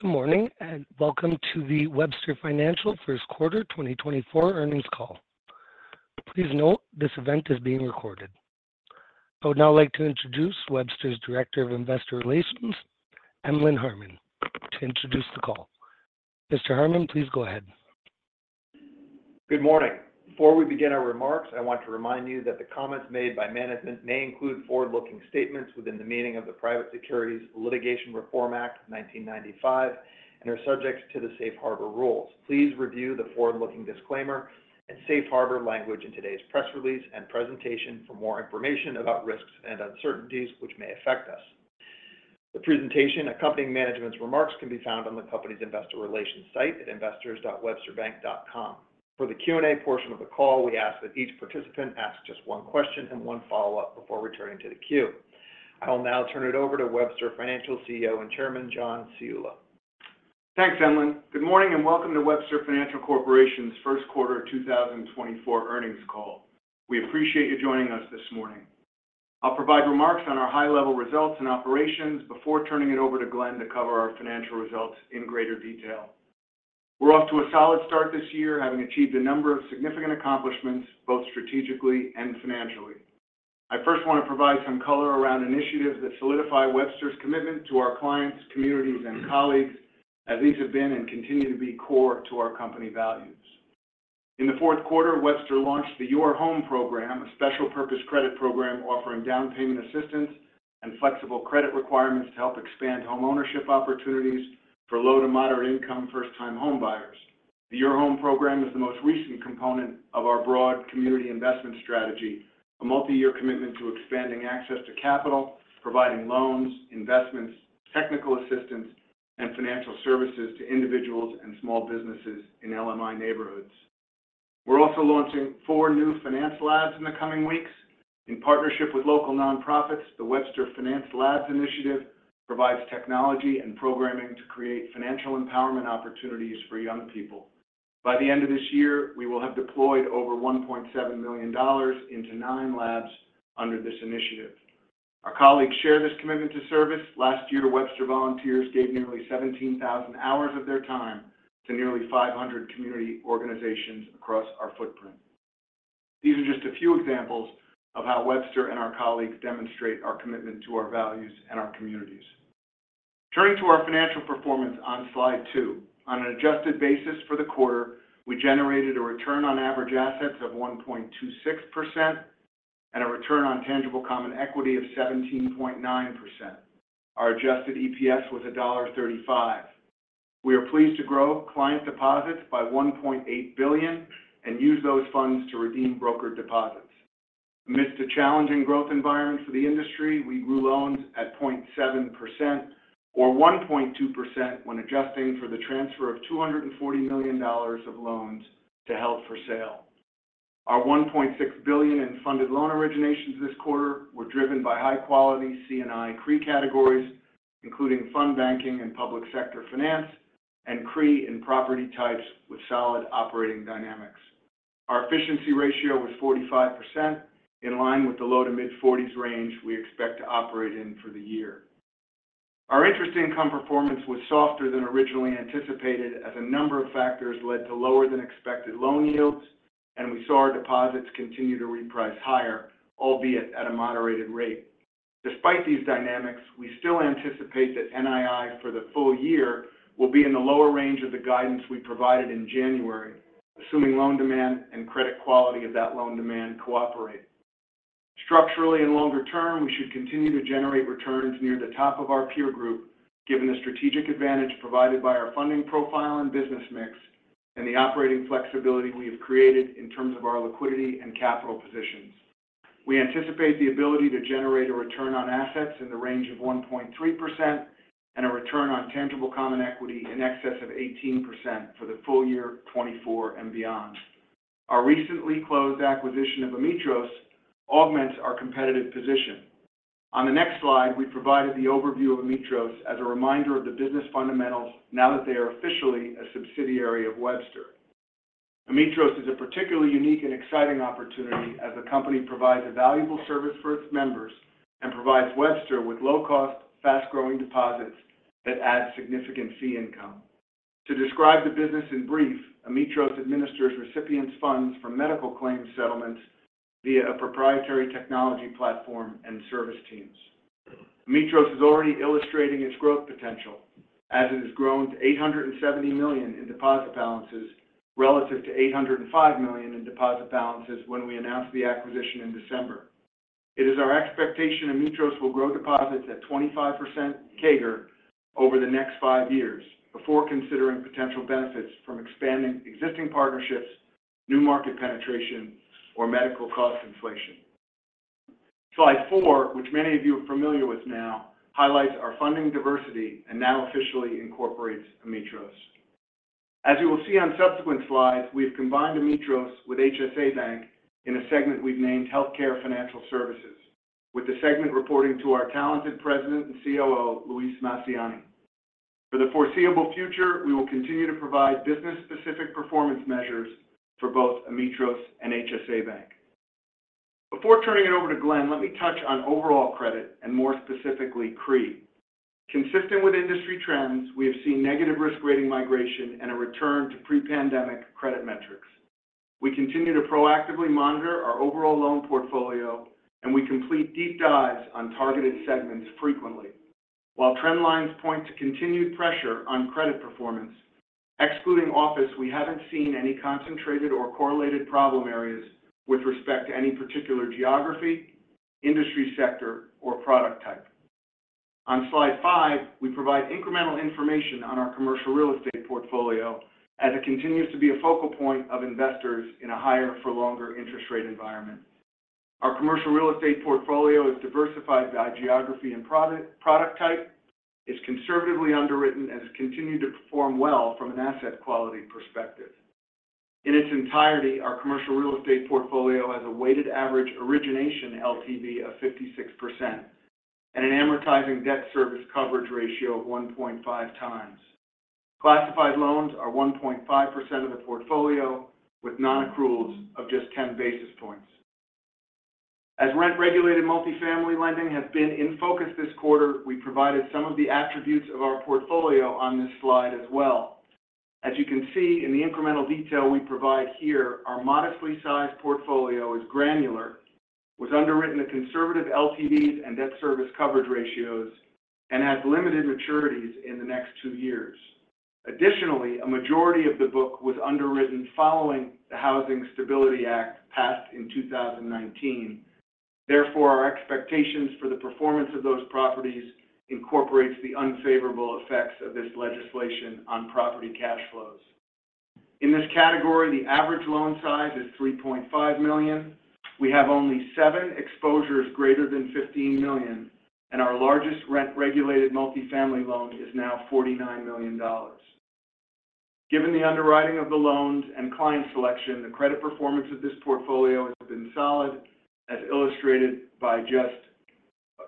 Good morning, and welcome to the Webster Financial first quarter 2024 earnings call. Please note that this event is being recorded. I would now like to introduce Webster's Director of Investor Relations, Emlen Harmon, to introduce the call. Mr. Harmon, please go ahead. Good morning. Before we begin our remarks, I want to remind you that the comments made by management may include forward-looking statements within the meaning of the Private Securities Litigation Reform Act of 1995 and are subject to the Safe Harbor rules. Please review the forward-looking disclaimer and Safe Harbor language in today's press release and presentation for more information about risks and uncertainties that may affect us. The presentation accompanying management's remarks can be found on the company's investor relations site at investors.websterbank.com. For the Q&A portion of the call, we ask that each participant ask just one question and one follow-up before returning to the queue. I will now turn it over to Webster Financial CEO and Chairman, John Ciulla. Thanks, Emlen. Good morning, and welcome to Webster Financial Corporation's first quarter 2024 earnings call. We appreciate you joining us this morning. I'll provide remarks on our high-level results and operations before turning it over to Glenn to cover our financial results in greater detail. We're off to a solid start this year, having achieved a number of significant accomplishments, both strategically and financially. I first want to provide some color around initiatives that solidify Webster's commitment to our clients, communities, and colleagues, as these have been and continue to be core to our company values. In the fourth quarter, Webster launched the Your Home program, a special-purpose credit program offering down payment assistance and flexible credit requirements to help expand homeownership opportunities for low-to-moderate-income first-time home buyers. The Your Home program is the most recent component of our broad community investment strategy, a multi-year commitment to expanding access to capital, providing loans, investments, technical assistance, and financial services to individuals and small businesses in LMI neighborhoods. We're also launching 4 new Finance Labs in the coming weeks. In partnership with local nonprofits, the Webster Finance Labs initiative provides technology and programming to create financial empowerment opportunities for young people. By the end of this year, we will have deployed over $1.7 million into nine labs under this initiative. Our colleagues share this commitment to service. Last year, Webster volunteers gave nearly 17,000 hours of their time to nearly 500 community organizations across our footprint. These are just a few examples of how Webster and our colleagues demonstrate our commitment to our values and our communities. Turning to our financial performance on slide two. On an adjusted basis for the quarter, we generated a return on average assets of 1.26% and a return on tangible common equity of 17.9%. Our Adjusted EPS was $1.35. We are pleased to grow client deposits by $1.8 billion and use those funds to redeem broker deposits. Amidst a challenging growth environment for the industry, we grew loans at 0.7% or 1.2% when adjusting for the transfer of $240 million of loans to held for sale. Our $1.6 billion in funded loan originations this quarter were driven by high-quality C&I CRE categories, including fund banking and public sector finance, and CRE in property types with solid operating dynamics. Our efficiency ratio was 45%, in line with the low- to mid-40s range we expect to operate in for the year. Our interest income performance was softer than originally anticipated, as a number of factors led to lower than expected loan yields, and we saw our deposits continue to reprice higher, albeit at a moderated rate. Despite these dynamics, we still anticipate that NII for the full year will be in the lower range of the guidance we provided in January, assuming loan demand and the credit quality of that loan demand cooperate. Structurally and longer term, we should continue to generate returns near the top of our peer group, given the strategic advantage provided by our funding profile and business mix and the operating flexibility we have created in terms of our liquidity and capital positions. We anticipate the ability to generate a return on assets in the range of 1.3% and a return on tangible common equity in excess of 18% for the full year 2024 and beyond. Our recently closed acquisition of Ametros augments our competitive position. On the next slide, we provided the overview of Ametros as a reminder of the business fundamentals now that they are officially a subsidiary of Webster. Ametros is a particularly unique and exciting opportunity as the company provides a valuable service for its members and provides Webster with low-cost, fast-growing deposits that add significant fee income. To describe the business in brief, Ametros administers recipients' funds for medical claims settlements via a proprietary technology platform and service teams. Ametros is already illustrating its growth potential as it has grown to $870 million in deposit balances relative to $805 million in deposit balances when we announced the acquisition in December. It is our expectation Ametros will grow deposits at 25% CAGR over the next five years before considering potential benefits from expanding existing partnerships, new market penetration, or medical cost inflation. Slide four, which many of you are familiar with now, highlights our funding diversity and now officially incorporates Ametros. As you will see on subsequent slides, we have combined Ametros with HSA Bank in a segment we've named Healthcare Financial Services, with the segment reporting to our talented President and COO, Luis Massiani. For the foreseeable future, we will continue to provide business-specific performance measures for both Ametros and HSA Bank. Before turning it over to Glenn, let me touch on overall credit and more specifically, CRE. Consistent with industry trends, we have seen negative risk rating migration and a return to pre-pandemic credit metrics. We continue to proactively monitor our overall loan portfolio, and we complete deep dives on targeted segments frequently. While trend lines point to continued pressure on credit performance, excluding office, we haven't seen any concentrated or correlated problem areas with respect to any particular geography, industry sector, or product type. On slide five, we provide incremental information on our commercial real estate portfolio as it continues to be a focal point of investors in a higher for longer interest rate environment. Our commercial real estate portfolio is diversified by geography and product type, is conservatively underwritten, and has continued to perform well from an asset quality perspective. In its entirety, our commercial real estate portfolio has a weighted average origination LTV of 56% and an amortizing debt service coverage ratio of 1.5x. Classified loans are 1.5% of the portfolio, with non-accruals of just 10 basis points. As rent-regulated multifamily lending has been in focus this quarter, we provided some of the attributes of our portfolio on this slide as well. As you can see in the incremental detail we provide here, our modestly sized portfolio is granular, was underwritten at conservative LTVs and debt service coverage ratios, and has limited maturities in the next two years. Additionally, a majority of the book was underwritten following the Housing Stability Act passed in 2019. Therefore, our expectations for the performance of those properties incorporates the unfavorable effects of this legislation on property cash flows. In this category, the average loan size is $3.5 million. We have only seven exposures greater than $15 million, and our largest rent-regulated multifamily loan is now $49 million. Given the underwriting of the loans and client selection, the credit performance of this portfolio has been solid, as illustrated by just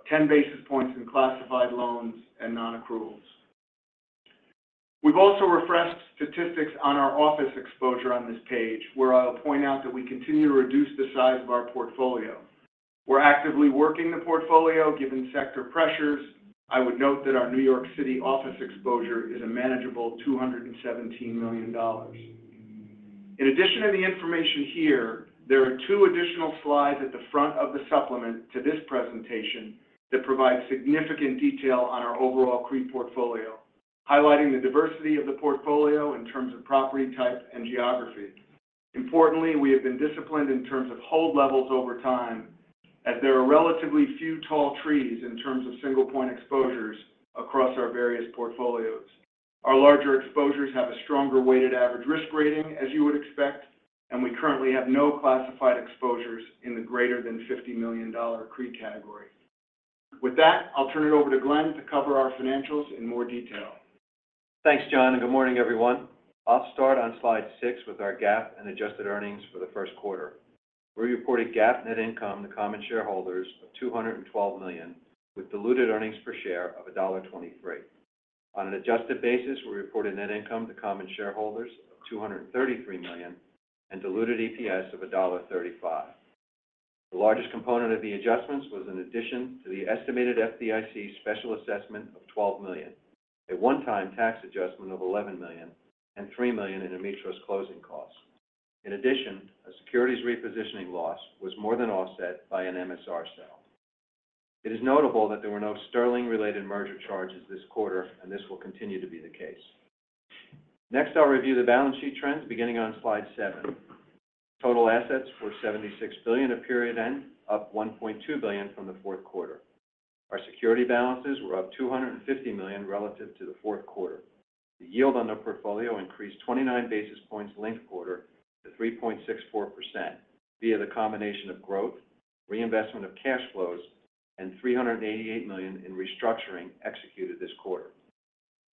10 basis points in classified loans and non-accruals. We've also refreshed statistics on our office exposure on this page, where I'll point out that we continue to reduce the size of our portfolio. We're actively working the portfolio, given sector pressures. I would note that our New York City office exposure is a manageable $217 million. In addition to the information here, there are two additional slides at the front of the supplement to this presentation that provide significant detail on our overall CRE portfolio, highlighting the diversity of the portfolio in terms of property type and geography. Importantly, we have been disciplined in terms of hold levels over time, as there are relatively few tall trees in terms of single-point exposures across our various portfolios. Our larger exposures have a stronger weighted average risk rating, as you would expect, and we currently have no classified exposures in the greater than $50 million CRE category. With that, I'll turn it over to Glenn to cover our financials in more detail. Thanks, John, and good morning, everyone. I'll start on slide six with our GAAP and adjusted earnings for the first quarter. We reported GAAP net income to common shareholders of $212 million, with diluted earnings per share of $1.23. On an adjusted basis, we reported net income to common shareholders of $233 million and diluted EPS of $1.35. The largest component of the adjustments was an addition to the estimated FDIC special assessment of $12 million, a one-time tax adjustment of $11 million, and $3 million in Ametros closing costs. In addition, a securities repositioning loss was more than offset by an MSR sale. It is notable that there were no Sterling-related merger charges this quarter, and this will continue to be the case. Next, I'll review the balance sheet trends beginning on slide seven. Total assets were $76 billion at period end, up $1.2 billion from the fourth quarter. Our securities balances were up $250 million relative to the fourth quarter. The yield on the portfolio increased 29 basis points linked quarter to 3.64% via the combination of growth, reinvestment of cash flows, and $388 million in restructuring executed this quarter.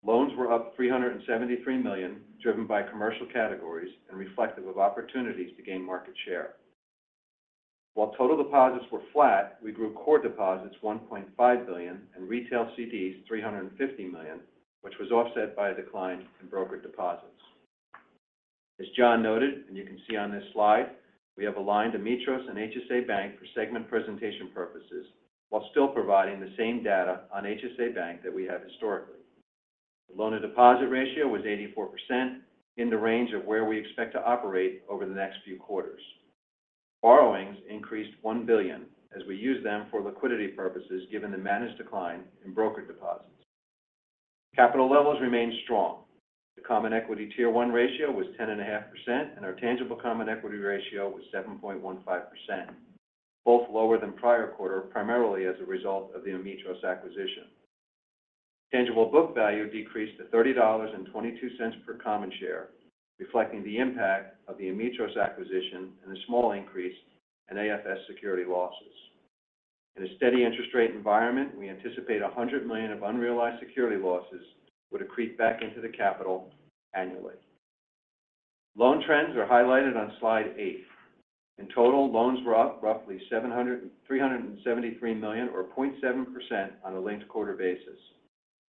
Loans were up $373 million, driven by commercial categories and reflective of opportunities to gain market share. While total deposits were flat, we grew core deposits $1.5 billion and retail CDs $350 million, which was offset by a decline in brokered deposits. As John noted, and you can see on this slide, we have aligned Ametros and HSA Bank for segment presentation purposes while still providing the same data on HSA Bank that we have historically. The loan-to-deposit ratio was 84% in the range of where we expect to operate over the next few quarters. Borrowings increased $1 billion as we used them for liquidity purposes, given the managed decline in brokered deposits. Capital levels remained strong. The Common Equity Tier 1 ratio was 10.5%, and our Tangible Common Equity ratio was 7.15%, both lower than prior quarter, primarily as a result of the Ametros acquisition. Tangible book value decreased to $30.22 per common share, reflecting the impact of the Ametros acquisition and a small increase in AFS security losses. In a steady interest rate environment, we anticipate $100 million of unrealized security losses would accrete back into the capital annually. Loan trends are highlighted on slide eight. In total, loans were up roughly $373 million, or 0.7% on a linked quarter basis.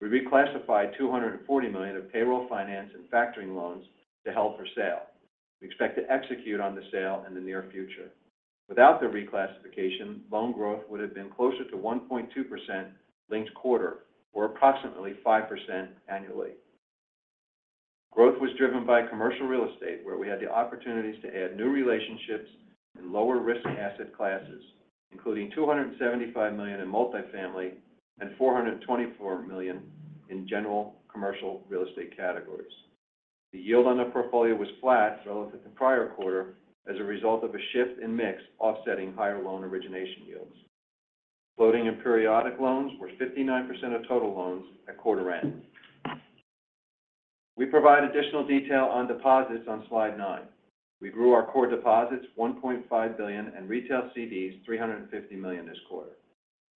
We reclassified $240 million of payroll finance and factoring loans to held for sale. We expect to execute on the sale in the near future. Without the reclassification, loan growth would have been closer to 1.2% linked quarter, or approximately 5% annually. Growth was driven by commercial real estate, where we had the opportunities to add new relationships in lower risk asset classes, including $275 million in multifamily and $424 million in general commercial real estate categories. The yield on the portfolio was flat relative to prior quarter as a result of a shift in mix offsetting higher loan origination yields. Floating and periodic loans were 59% of total loans at quarter end. We provide additional detail on deposits on slide nine. We grew our core deposits $1.5 billion and retail CDs, $350 million this quarter.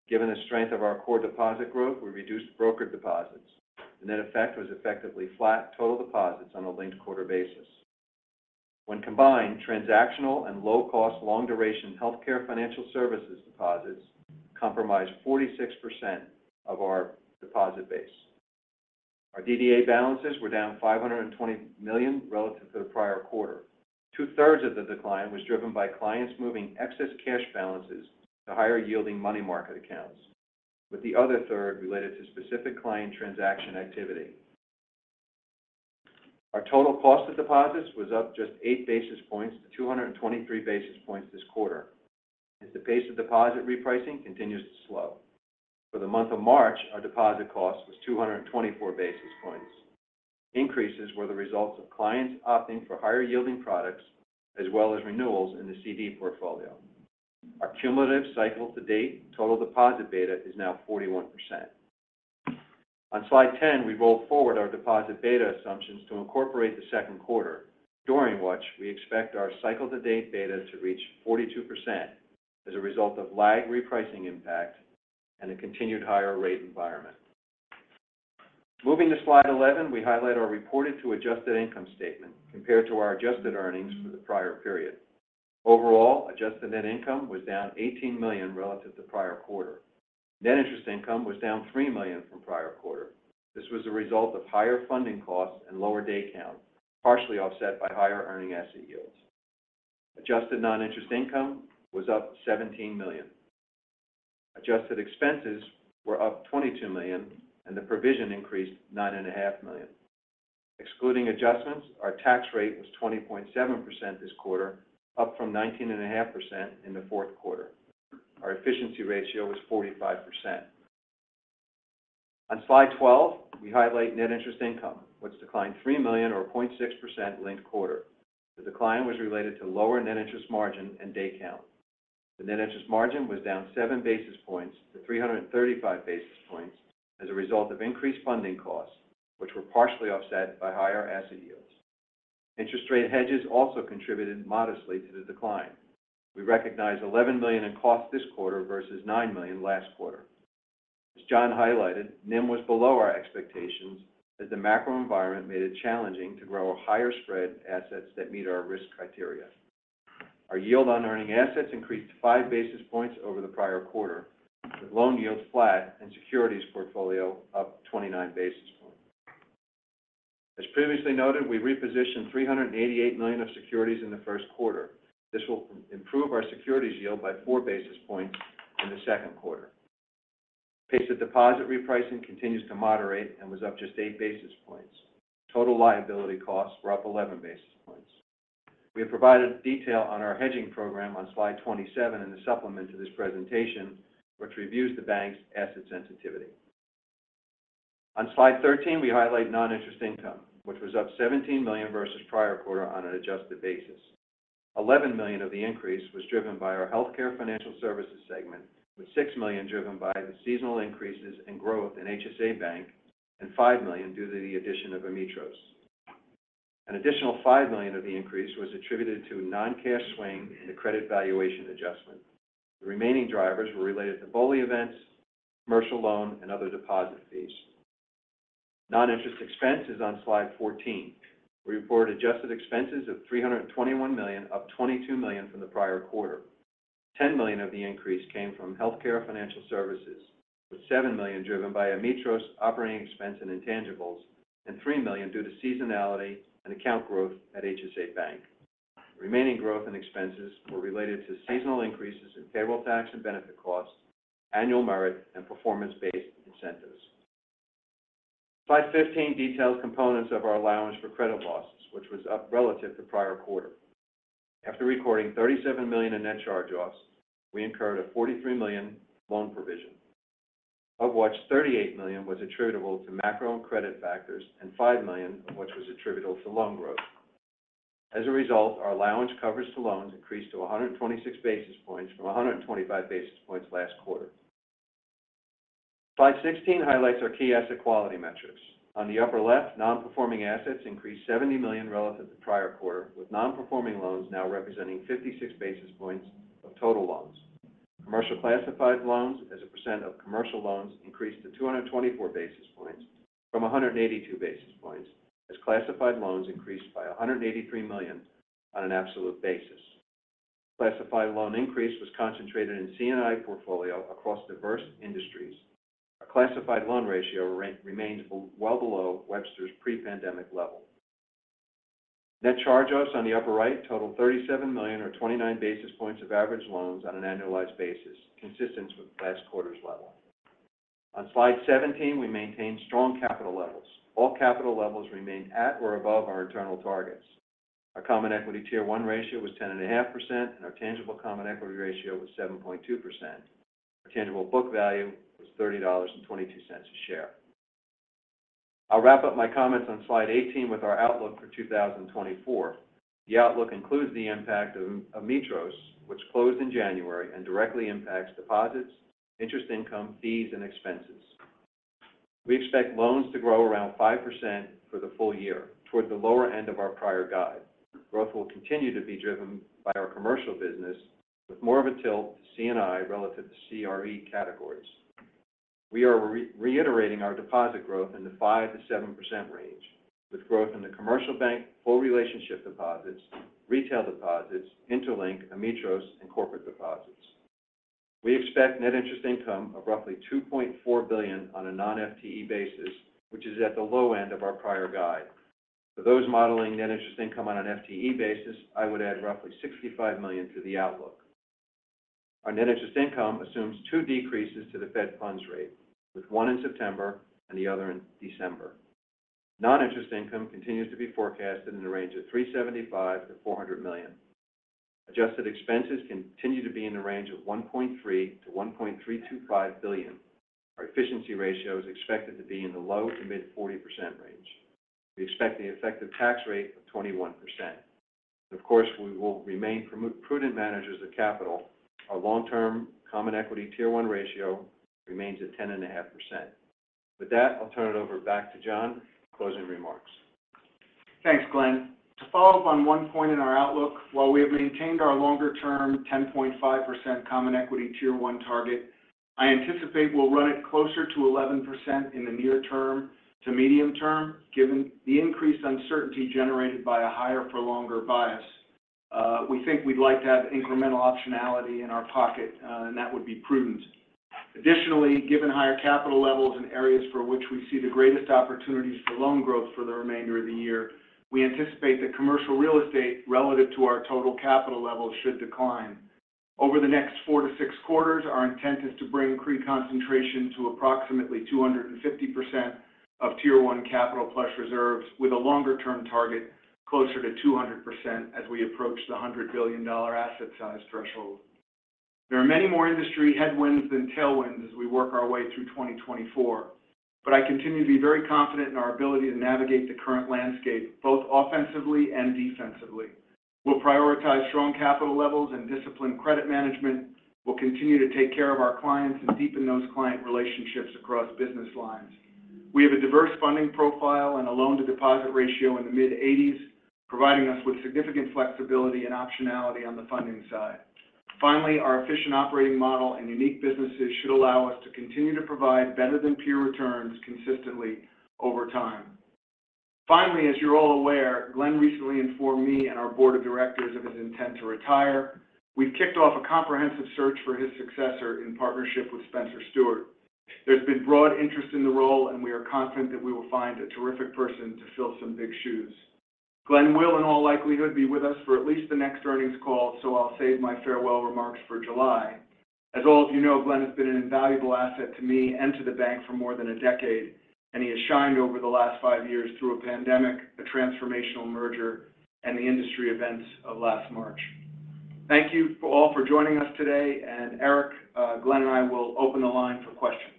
Given the strength of our core deposit growth, we reduced broker deposits. The net effect was effectively flat total deposits on a linked quarter basis. When combined, transactional and low-cost, long-duration healthcare financial services deposits comprise 46% of our deposit base. Our DDA balances were down $520 million relative to the prior quarter. Two-thirds of the decline was driven by clients moving excess cash balances to higher-yielding money market accounts, with the other third related to specific client transaction activity. Our total cost of deposits was up just 8 basis points to 223 basis points this quarter as the pace of deposit repricing continues to slow. For the month of March, our deposit cost was 224 basis points. Increases were the results of clients opting for higher-yielding products, as well as renewals in the CD portfolio. Our cumulative cycle to date, total deposit beta is now 41%. On slide 10, we rolled forward our deposit beta assumptions to incorporate the second quarter, during which we expect our cycle to date beta to reach 42% as a result of lag repricing impact and a continued higher rate environment. Moving to slide 11, we highlight our reported to adjusted income statement compared to our adjusted earnings for the prior period. Overall, adjusted net income was down $18 million relative to prior quarter. Net interest income was down $3 million from prior quarter. This was a result of higher funding costs and lower day count, partially offset by higher earning asset yields. Adjusted non-interest income was up $17 million. Adjusted expenses were up $22 million, and the provision increased $9.5 million. Excluding adjustments, our tax rate was 20.7% this quarter, up from 19.5% in the fourth quarter. Our efficiency ratio was 45%. On slide 12, we highlight net interest income, which declined $3 million or 0.6% linked quarter. The decline was related to lower net interest margin and day count. The net interest margin was down 7 basis points to 335 basis points as a result of increased funding costs, which were partially offset by higher asset yields. Interest rate hedges also contributed modestly to the decline. We recognized $11 million in cost this quarter versus $9 million last quarter. As John highlighted, NIM was below our expectations, as the macro environment made it challenging to grow higher spread assets that meet our risk criteria. Our yield on earning assets increased 5 basis points over the prior quarter, with loan yields flat and securities portfolio up 29 basis points. As previously noted, we repositioned $388 million of securities in the first quarter. This will improve our securities yield by 4 basis points in the second quarter. Pace of deposit repricing continues to moderate and was up just 8 basis points. Total liability costs were up 11 basis points. We have provided detail on our hedging program on slide 27 in the supplement to this presentation, which reviews the bank's asset sensitivity. On slide 13, we highlight non-interest income, which was up $17 million versus prior quarter on an adjusted basis. $11 million of the increase was driven by our Healthcare Financial Services segment, with $6 million driven by the seasonal increases in growth in HSA Bank and $5 million due to the addition of Ametros. An additional $5 million of the increase was attributed to a non-cash swing in the credit valuation adjustment. The remaining drivers were related to BOLI events, commercial loan, and other deposit fees. Non-interest expense is on slide 14. We reported adjusted expenses of $321 million, up $22 million from the prior quarter. $10 million of the increase came from Healthcare Financial Services, with $7 million driven by Ametros operating expense and intangibles, and $3 million due to seasonality and account growth at HSA Bank. Remaining growth in expenses were related to seasonal increases in payroll tax and benefit costs, annual merit, and performance-based incentives. Slide 15 details components of our allowance for credit losses, which was up relative to prior quarter. After recording $37 million in net charge-offs, we incurred a $43 million loan provision, of which $38 million was attributable to macro and credit factors and $5 million of which was attributable to loan growth. As a result, our allowance coverage to loans increased to 126 basis points from 125 basis points last quarter. Slide 16 highlights our key asset quality metrics. On the upper left, non-performing assets increased $70 million relative to prior quarter, with non-performing loans now representing 56 basis points of total loans. Commercial classified loans as a percent of commercial loans increased to 224 basis points from 182 basis points, as classified loans increased by $183 million on an absolute basis. Classified loan increase was concentrated in C&I portfolio across diverse industries. Our classified loan ratio remains well below Webster's pre-pandemic level. Net charge-offs on the upper right totaled $37 million or 29 basis points of average loans on an annualized basis, consistent with last quarter's level. On Slide 17, we maintained strong capital levels. All capital levels remained at or above our internal targets. Our Common Equity Tier 1 ratio was 10.5%, and our tangible common equity ratio was 7.2%. Our tangible book value was $30.22 a share. I'll wrap up my comments on Slide 18 with our outlook for 2024. The outlook includes the impact of Ametros, which closed in January and directly impacts deposits, interest income, fees, and expenses. We expect loans to grow around 5% for the full year, toward the lower end of our prior guide. Growth will continue to be driven by our commercial business, with more of a tilt to C&I relative to CRE categories. We are reiterating our deposit growth in the 5%-7% range, with growth in the commercial bank, full relationship deposits, retail deposits, InterLINK, Ametros, and corporate deposits. We expect net interest income of roughly $2.4 billion on a non-FTE basis, which is at the low end of our prior guide. For those modeling net interest income on an FTE basis, I would add roughly $65 million to the outlook. Our net interest income assumes 2 decreases to the Fed funds rate, with 1 in September and the other in December. Non-interest income continues to be forecasted in the of $375 million-$400 million. Adjusted expenses continue to be in the range of $1.3 billion-$1.325 billion. Our efficiency ratio is expected to be in the low-to-mid 40% range. We expect the effective tax rate of 21%. Of course, we will remain prudent managers of capital. Our long-term Common Equity Tier 1 ratio remains at 10.5%. With that, I'll turn it over back to John for closing remarks. Thanks, Glenn. To follow up on one point in our outlook, while we have maintained our longer-term 10.5% Common Equity Tier 1 target, I anticipate we'll run it closer to 11% in the near term to medium term, given the increased uncertainty generated by a higher for longer bias. We think we'd like to have incremental optionality in our pocket, and that would be prudent. Additionally, given higher capital levels in areas for which we see the greatest opportunities for loan growth for the remainder of the year, we anticipate that Commercial Real Estate relative to our total capital levels should decline. Over the next four to six quarters, our intent is to bring CRE concentration to approximately 250% of Tier 1 capital plus reserves, with a longer-term target closer to 200% as we approach the $100 billion asset size threshold. There are many more industry headwinds than tailwinds as we work our way through 2024, but I continue to be very confident in our ability to navigate the current landscape, both offensively and defensively. We'll prioritize strong capital levels and disciplined credit management. We'll continue to take care of our clients and deepen those client relationships across business lines. We have a diverse funding profile and a loan-to-deposit ratio in the mid-80s, providing us with significant flexibility and optionality on the funding side. Finally, our efficient operating model and unique businesses should allow us to continue to provide better-than-peer returns consistently over time. Finally, as you're all aware, Glenn recently informed me and our board of directors of his intent to retire. We've kicked off a comprehensive search for his successor in partnership with Spencer Stuart. There's been broad interest in the role, and we are confident that we will find a terrific person to fill some big shoes. Glenn will, in all likelihood, be with us for at least the next earnings call, so I'll save my farewell remarks for July. As all of you know, Glenn has been an invaluable asset to me and to the bank for more than a decade, and he has shined over the last five years through a pandemic, a transformational merger, and the industry events of last March. Thank you all for joining us today, and Eric, Glenn and I will open the line for questions.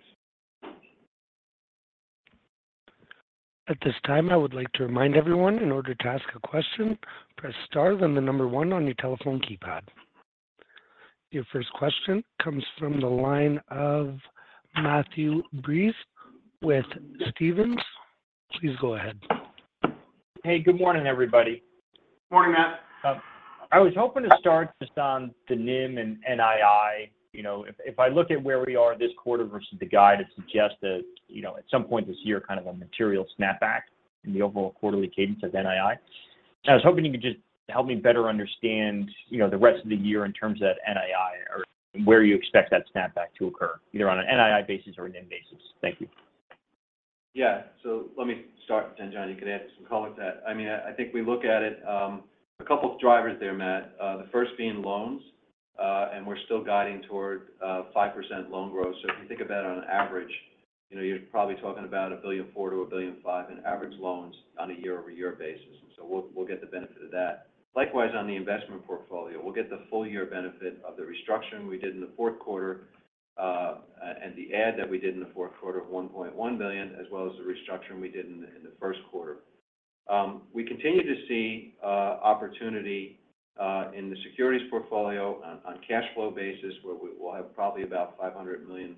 At this time, I would like to remind everyone in order to ask a question, press star, then the number one on your telephone keypad. Your first question comes from the line of Matthew Breese with Stephens. Please go ahead. Hey, good morning, everybody. Morning, Matt. I was hoping to start just on the NIM and NII. You know, if I look at where we are this quarter versus the guide, it suggests that, you know, at some point this year, kind of a material snapback in the overall quarterly cadence of NII. I was hoping you could just help me better understand, you know, the rest of the year in terms of that NII or where you expect that snapback to occur, either on an NII basis or an NIM basis. Thank you. Yeah. So let me start, and then, John, you can add some color to that. I mean, I think we look at it, a couple of drivers there, Matt. The first being loans, and we're still guiding toward, five percent loan growth. So if you think about it on average, you know, you're probably talking about $1.4 billion-$1.5 billion in average loans on a year-over-year basis. So we'll get the benefit of that. Likewise, on the investment portfolio, we'll get the full year benefit of the restructuring we did in the fourth quarter, and the add that we did in the fourth quarter of $1.1 billion, as well as the restructuring we did in the first quarter. We continue to see opportunity in the securities portfolio on a cash flow basis, where we will have probably about $500 million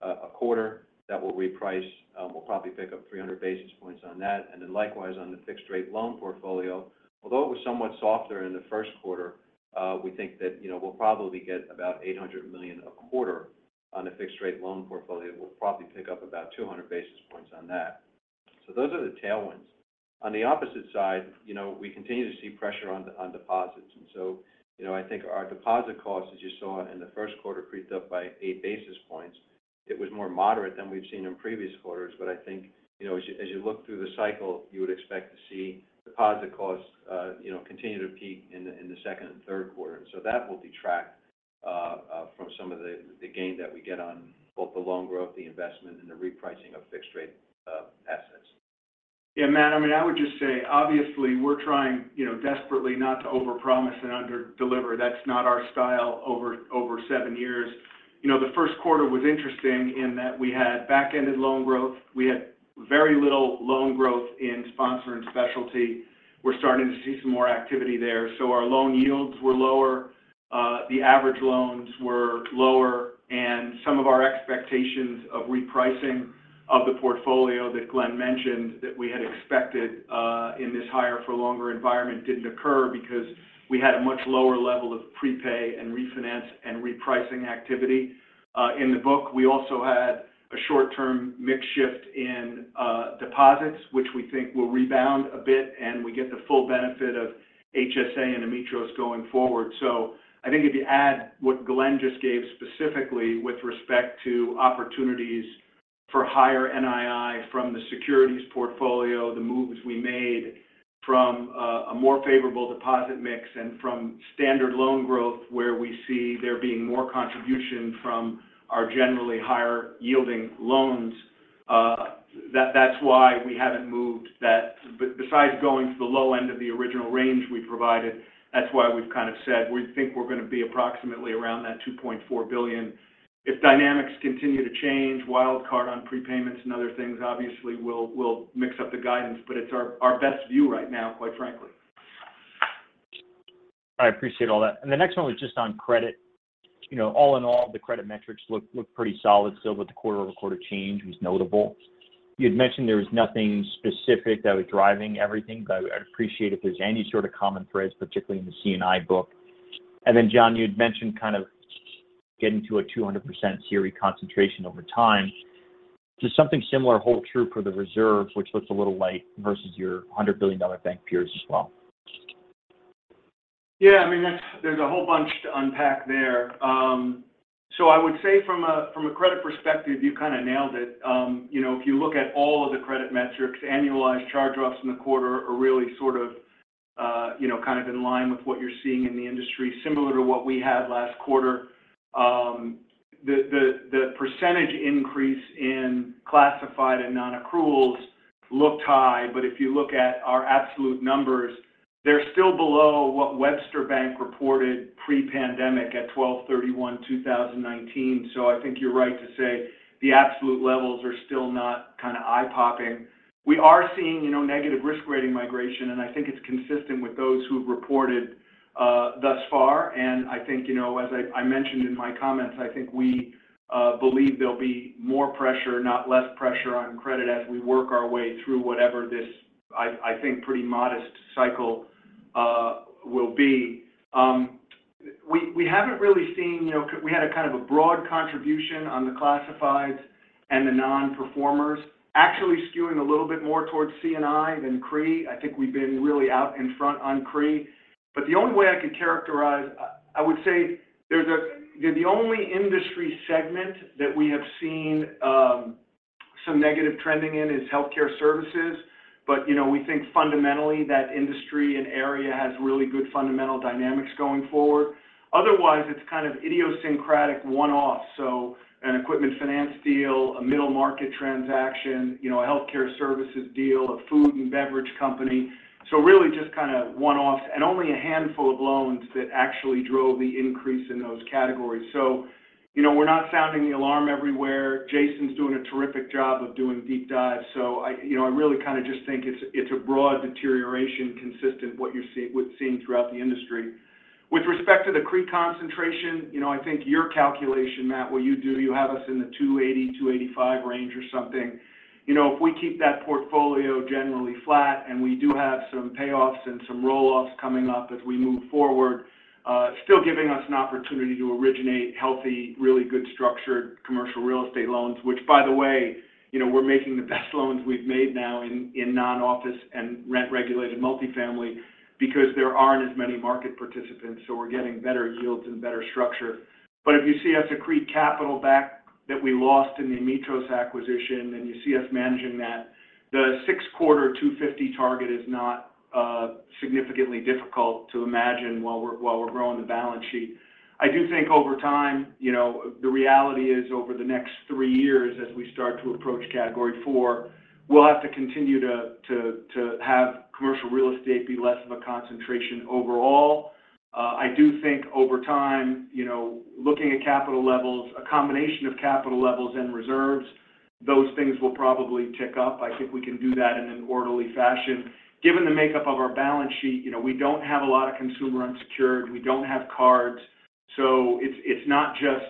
a quarter that will reprice. We'll probably pick up 300 basis points on that. And then likewise, on the fixed rate loan portfolio, although it was somewhat softer in the first quarter, we think that, you know, we'll probably get about $800 million a quarter on a fixed rate loan portfolio. We'll probably pick up about 200 basis points on that. So those are the tailwinds. On the opposite side, you know, we continue to see pressure on deposits. And so, you know, I think our deposit costs, as you saw in the first quarter, crept up by 8 basis points. It was more moderate than we've seen in previous quarters, but I think, you know, as you look through the cycle, you would expect to see deposit costs, you know, continue to peak in the second and third quarter. So that will detract from some of the gain that we get on both the loan growth, the investment, and the repricing of fixed-rate assets. Yeah, Matt, I mean, I would just say, obviously, we're trying, you know, desperately not to overpromise and under-deliver. That's not our style over, over seven years. You know, the first quarter was interesting in that we had back-ended loan growth. We had very little loan growth in sponsor and specialty. We're starting to see some more activity there. So our loan yields were lower, the average loans were lower, and some of our expectations of repricing of the portfolio that Glenn mentioned that we had expected, in this higher for longer environment didn't occur because we had a much lower level of prepay and refinance and repricing activity. In the book, we also had a short-term mix shift in, deposits, which we think will rebound a bit, and we get the full benefit of HSA and Ametros going forward. So I think if you add what Glenn just gave specifically with respect to opportunities for higher NII from the securities portfolio, the moves we made from a more favorable deposit mix and from standard loan growth, where we see there being more contribution from our generally higher yielding loans, that's why we haven't moved that. Besides going to the low end of the original range we provided, that's why we've kind of said, we think we're going to be approximately around that $2.4 billion. If dynamics continue to change, wild card on prepayments and other things, obviously, we'll mix up the guidance, but it's our best view right now, quite frankly. I appreciate all that. The next one was just on credit. You know, all in all, the credit metrics look pretty solid still, but the quarter-over-quarter change was notable. You had mentioned there was nothing specific that was driving everything, but I'd appreciate if there's any sort of common threads, particularly in the C&I book. Then, John, you had mentioned kind of getting to a 200% CRE concentration over time. Does something similar hold true for the reserves, which looks a little light versus your $100 billion bank peers as well? Yeah, I mean, that's, there's a whole bunch to unpack there. So I would say from a credit perspective, you kind of nailed it. You know, if you look at all of the credit metrics, annualized charge-offs in the quarter are really sort of, you know, kind of in line with what you're seeing in the industry, similar to what we had last quarter. The percentage increase in classified and non-accruals looked high, but if you look at our absolute numbers, they're still below what Webster Bank reported pre-pandemic at 12/31/2019. So I think you're right to say the absolute levels are still not kind of eye-popping. We are seeing, you know, negative risk rating migration, and I think it's consistent with those who've reported thus far. And I think, you know, as I mentioned in my comments, I think we believe there'll be more pressure, not less pressure on credit as we work our way through whatever this, I think, pretty modest cycle will be. We haven't really seen... You know, we had a kind of a broad contribution on the classifieds and the nonperformers, actually skewing a little bit more towards C&I than CRE. I think we've been really out in front on CRE. But the only way I could characterize, I would say there's the only industry segment that we have seen some negative trending in is healthcare services. But, you know, we think fundamentally, that industry and area has really good fundamental dynamics going forward. Otherwise, it's kind of idiosyncratic one-off, so an equipment finance deal, a middle-market transaction, you know, a healthcare services deal, a food and beverage company. So really just kind of one-offs and only a handful of loans that actually drove the increase in those categories. So, you know, we're not sounding the alarm everywhere. Jason's doing a terrific job of doing deep dives. So I, you know, I really kind of just think it's, it's a broad deterioration consistent with what you're seeing throughout the industry. With respect to the CRE concentration, you know, I think your calculation, Matt, what you do, you have us in the 280-285 range or something. You know, if we keep that portfolio generally flat, and we do have some payoffs and some roll-offs coming up as we move forward, still giving us an opportunity to originate healthy, really good structured commercial real estate loans. Which, by the way, you know, we're making the best loans we've made now in non-office and rent-regulated multifamily because there aren't as many market participants, so we're getting better yields and better structure. But if you see us accrete capital back that we lost in the Ametros acquisition, and you see us managing that, the six-quarter 250 target is not significantly difficult to imagine while we're growing the balance sheet. I do think over time, you know, the reality is, over the next three years, as we start to approach Category four, we'll have to continue to have commercial real estate be less of a concentration overall. I do think over time, you know, looking at capital levels, a combination of capital levels and reserves, those things will probably tick up. I think we can do that in an orderly fashion. Given the makeup of our balance sheet, you know, we don't have a lot of consumer unsecured, we don't have cards. So it's not just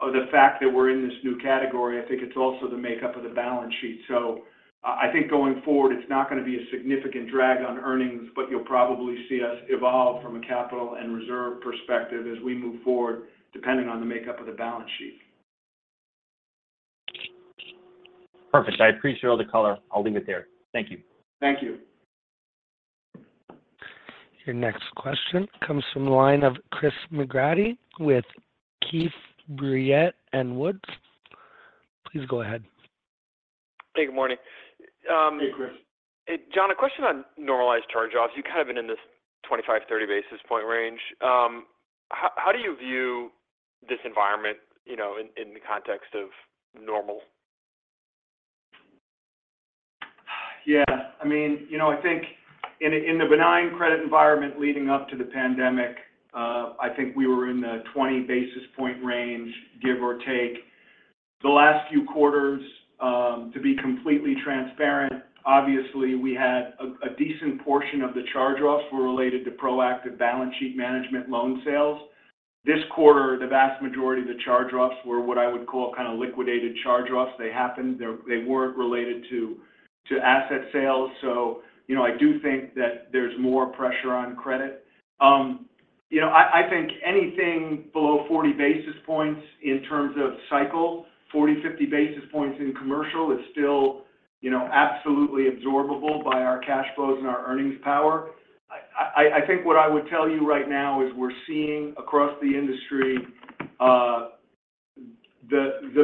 the fact that we're in this new category, I think it's also the makeup of the balance sheet. So I think going forward, it's not going to be a significant drag on earnings, but you'll probably see us evolve from a capital and reserve perspective as we move forward, depending on the makeup of the balance sheet. Perfect. I appreciate all the color. I'll leave it there. Thank you. Thank you. Your next question comes from the line of Chris McGratty with Keefe, Bruyette & Woods. Please go ahead. Hey, good morning. Hey, Chris. John, a question on normalized charge-offs. You've kind of been in this 25-30 basis point range. How do you view this environment, you know, in the context of normal? Yeah, I mean, you know, I think in the, in the benign credit environment leading up to the pandemic, I think we were in the 20 basis point range, give or take. The last few quarters, to be completely transparent, obviously, we had a, a decent portion of the charge-offs were related to proactive balance sheet management loan sales. This quarter, the vast majority of the charge-offs were what I would call kind of liquidated charge-offs. They happened, they, they weren't related to, to asset sales. So you know, I do think that there's more pressure on credit. You know, I, I think anything below 40 basis points in terms of cycle, 40-50 basis points in commercial is still, you know, absolutely absorbable by our cash flows and our earnings power. I think what I would tell you right now is we're seeing across the industry the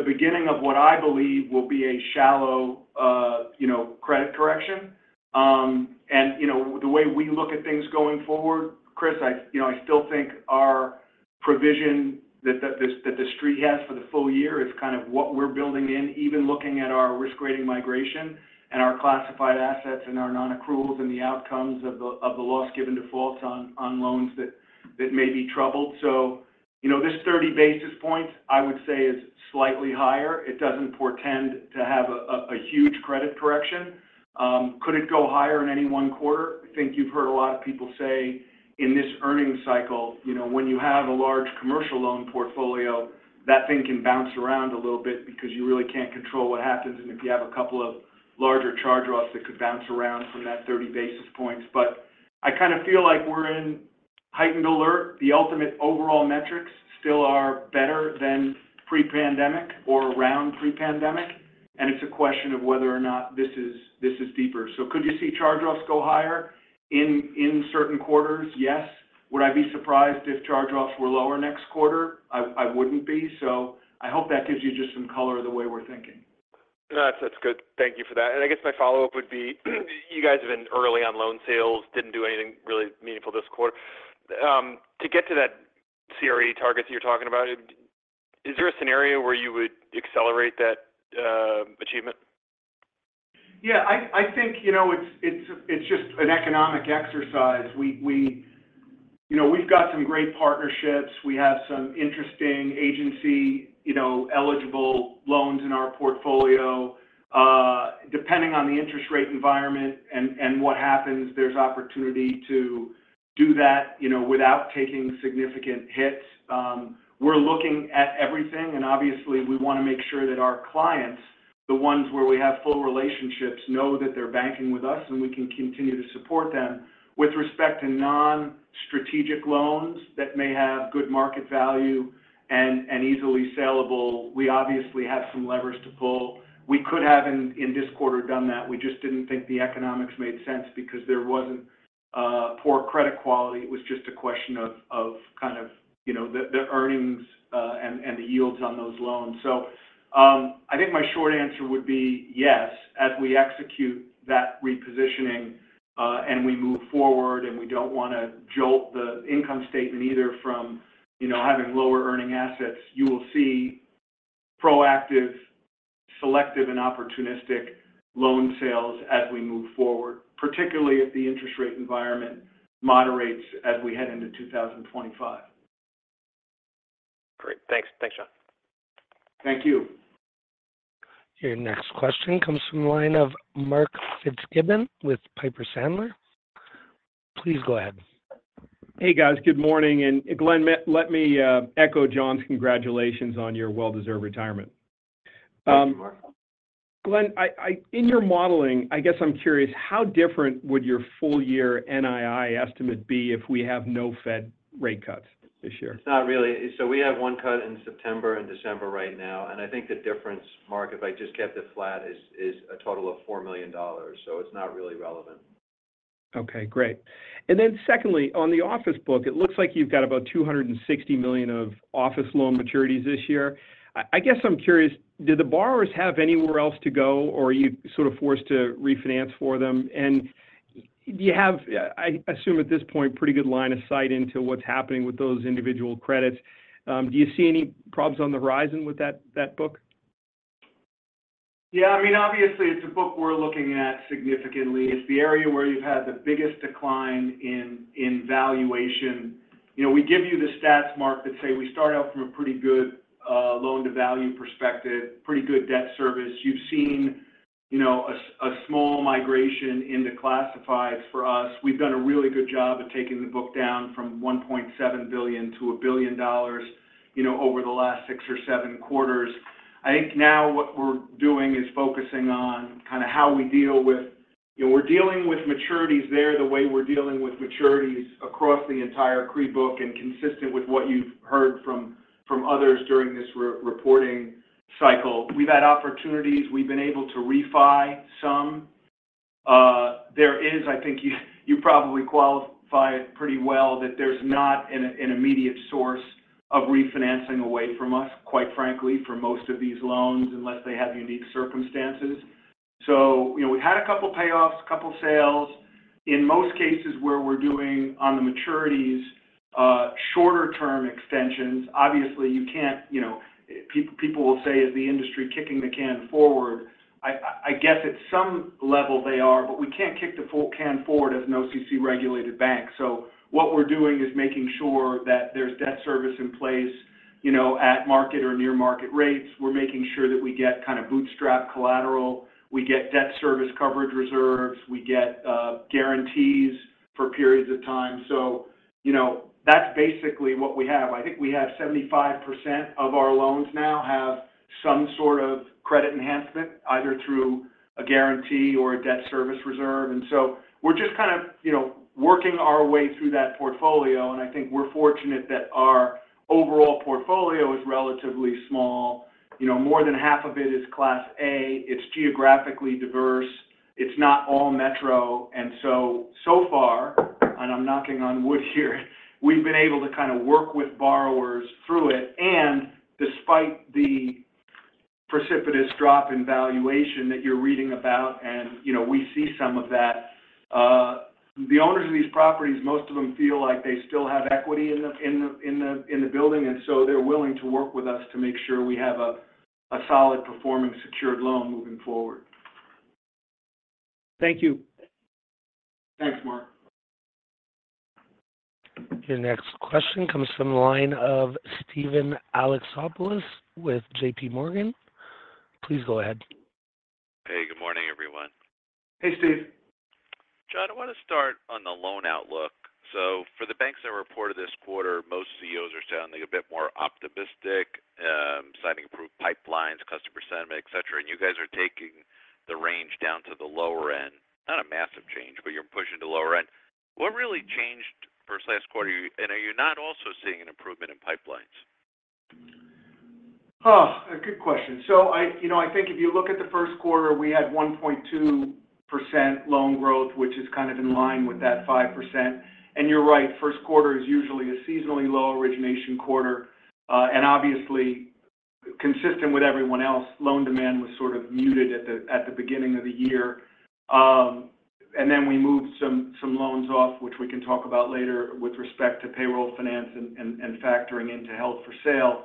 beginning of what I believe will be a shallow you know credit correction. You know, the way we look at things going forward, Chris, I still think our provision that the street has for the full year is kind of what we're building in, even looking at our risk rating migration and our classified assets and our non-accruals and the outcomes of the loss given defaults on loans that may be troubled. So you know this 30 basis points I would say is slightly higher. It doesn't portend to have a huge credit correction. Could it go higher in any one quarter? I think you've heard a lot of people say in this earnings cycle, you know, when you have a large commercial loan portfolio, that thing can bounce around a little bit because you really can't control what happens, and if you have a couple of larger charge-offs, that could bounce around from that 30 basis points. But I kind of feel like we're in heightened alert. The ultimate overall metrics still are better than pre-pandemic or around pre-pandemic, and it's a question of whether or not this is deeper. So could you see charge-offs go higher in certain quarters? Yes. Would I be surprised if charge-offs were lower next quarter? I wouldn't be. So I hope that gives you just some color of the way we're thinking. No, that's good. Thank you for that. And I guess my follow-up would be, you guys have been early on loan sales, didn't do anything really meaningful this quarter. To get to that CRE targets you're talking about, is there a scenario where you would accelerate that achievement? Yeah, I think, you know, it's just an economic exercise. You know, we've got some great partnerships, we have some interesting agency, you know, eligible loans in our portfolio. Depending on the interest rate environment and what happens, there's opportunity to do that, you know, without taking significant hits. We're looking at everything, and obviously, we want to make sure that our clients, the ones where we have full relationships, know that they're banking with us, and we can continue to support them. With respect to non-strategic loans that may have good market value and easily sellable, we obviously have some levers to pull. We could have in this quarter, done that. We just didn't think the economics made sense because there wasn't a poor credit quality. It was just a question of kind of, you know, the earnings, and the yields on those loans. So, I think my short answer would be yes. As we execute that repositioning, and we move forward, and we don't want to jolt the income statement either from, you know, having lower earning assets, you will see proactive, selective, and opportunistic loan sales as we move forward, particularly if the interest rate environment moderates as we head into 2025. Great. Thanks. Thanks, John. Thank you. Your next question comes from the line of Mark Fitzgibbon with Piper Sandler. Please go ahead. Hey, guys. Good morning. Glenn, let me echo John's congratulations on your well-deserved retirement. Thank you, Mark. Glenn, in your modeling, I guess I'm curious, how different would your full year NII estimate be if we have no Fed rate cuts this year? It's not really. So we have one cut in September and December right now, and I think the difference, Mark, if I just kept it flat, is a total of $4 million, so it's not really relevant. Okay, great. Then secondly, on the office book, it looks like you've got about $260 million of office loan maturities this year. I guess I'm curious, do the borrowers have anywhere else to go, or are you sort of forced to refinance for them? And you have, I assume at this point, pretty good line of sight into what's happening with those individual credits. Do you see any problems on the horizon with that book? Yeah, I mean, obviously, it's a book we're looking at significantly. It's the area where you've had the biggest decline in, in valuation. You know, we give you the stats, Mark, that say we start out from a pretty good, loan-to-value perspective, pretty good debt service. You've seen, you know, a small migration into classifieds for us. We've done a really good job of taking the book down from $1.7 billion to $1 billion, you know, over the last six or seven quarters. I think now what we're doing is focusing on kind of how we deal with. You know, we're dealing with maturities there, the way we're dealing with maturities across the entire CRE book, and consistent with what you've heard from, from others during this reporting cycle. We've had opportunities, we've been able to refi some. There is, I think you probably qualify it pretty well, that there's not an immediate source of refinancing away from us, quite frankly, for most of these loans, unless they have unique circumstances. So, you know, we've had a couple of payoffs, a couple of sales. In most cases, where we're doing on the maturities, shorter term extensions, obviously, you can't, you know, people will say, is the industry kicking the can forward? I guess, at some level they are, but we can't kick the full can forward as an OCC-regulated bank. So what we're doing is making sure that there's debt service in place, you know, at market or near market rates. We're making sure that we get kind of bootstrap collateral. We get debt service coverage reserves, we get, guarantees for periods of time. So, you know, that's basically what we have. I think we have 75% of our loans now have some sort of credit enhancement, either through a guarantee or a debt service reserve. So we're just kind of, you know, working our way through that portfolio, and I think we're fortunate that our overall portfolio is relatively small. You know, more than half of it is Class A, it's geographically diverse. It's not all metro. So, so far, and I'm knocking on wood here, we've been able to kind of work with borrowers through it. Despite the precipitous drop in valuation that you're reading about, and, you know, we see some of that, the owners of these properties, most of them feel like they still have equity in the building, and so they're willing to work with us to make sure we have a solid performing secured loan moving forward. Thank you. Thanks, Mark. Your next question comes from the line of Steven Alexopoulos with JPMorgan. Please go ahead. Hey, good morning, everyone. Hey, Steve. John, I want to start on the loan outlook. So for the banks that reported this quarter, most CEOs are sounding a bit more optimistic, citing improved pipelines, customer sentiment, et cetera, and you guys are taking the range down to the lower end. Not a massive change, but you're pushing to the lower end. What really changed versus last quarter? And are you not also seeing an improvement in pipelines? Oh, a good question. So you know, I think if you look at the first quarter, we had 1.2% loan growth, which is kind of in line with that 5%. And you're right, first quarter is usually a seasonally low origination quarter. And obviously, consistent with everyone else, loan demand was sort of muted at the beginning of the year. And then we moved some loans off, which we can talk about later, with respect to payroll finance and factoring into held for sale.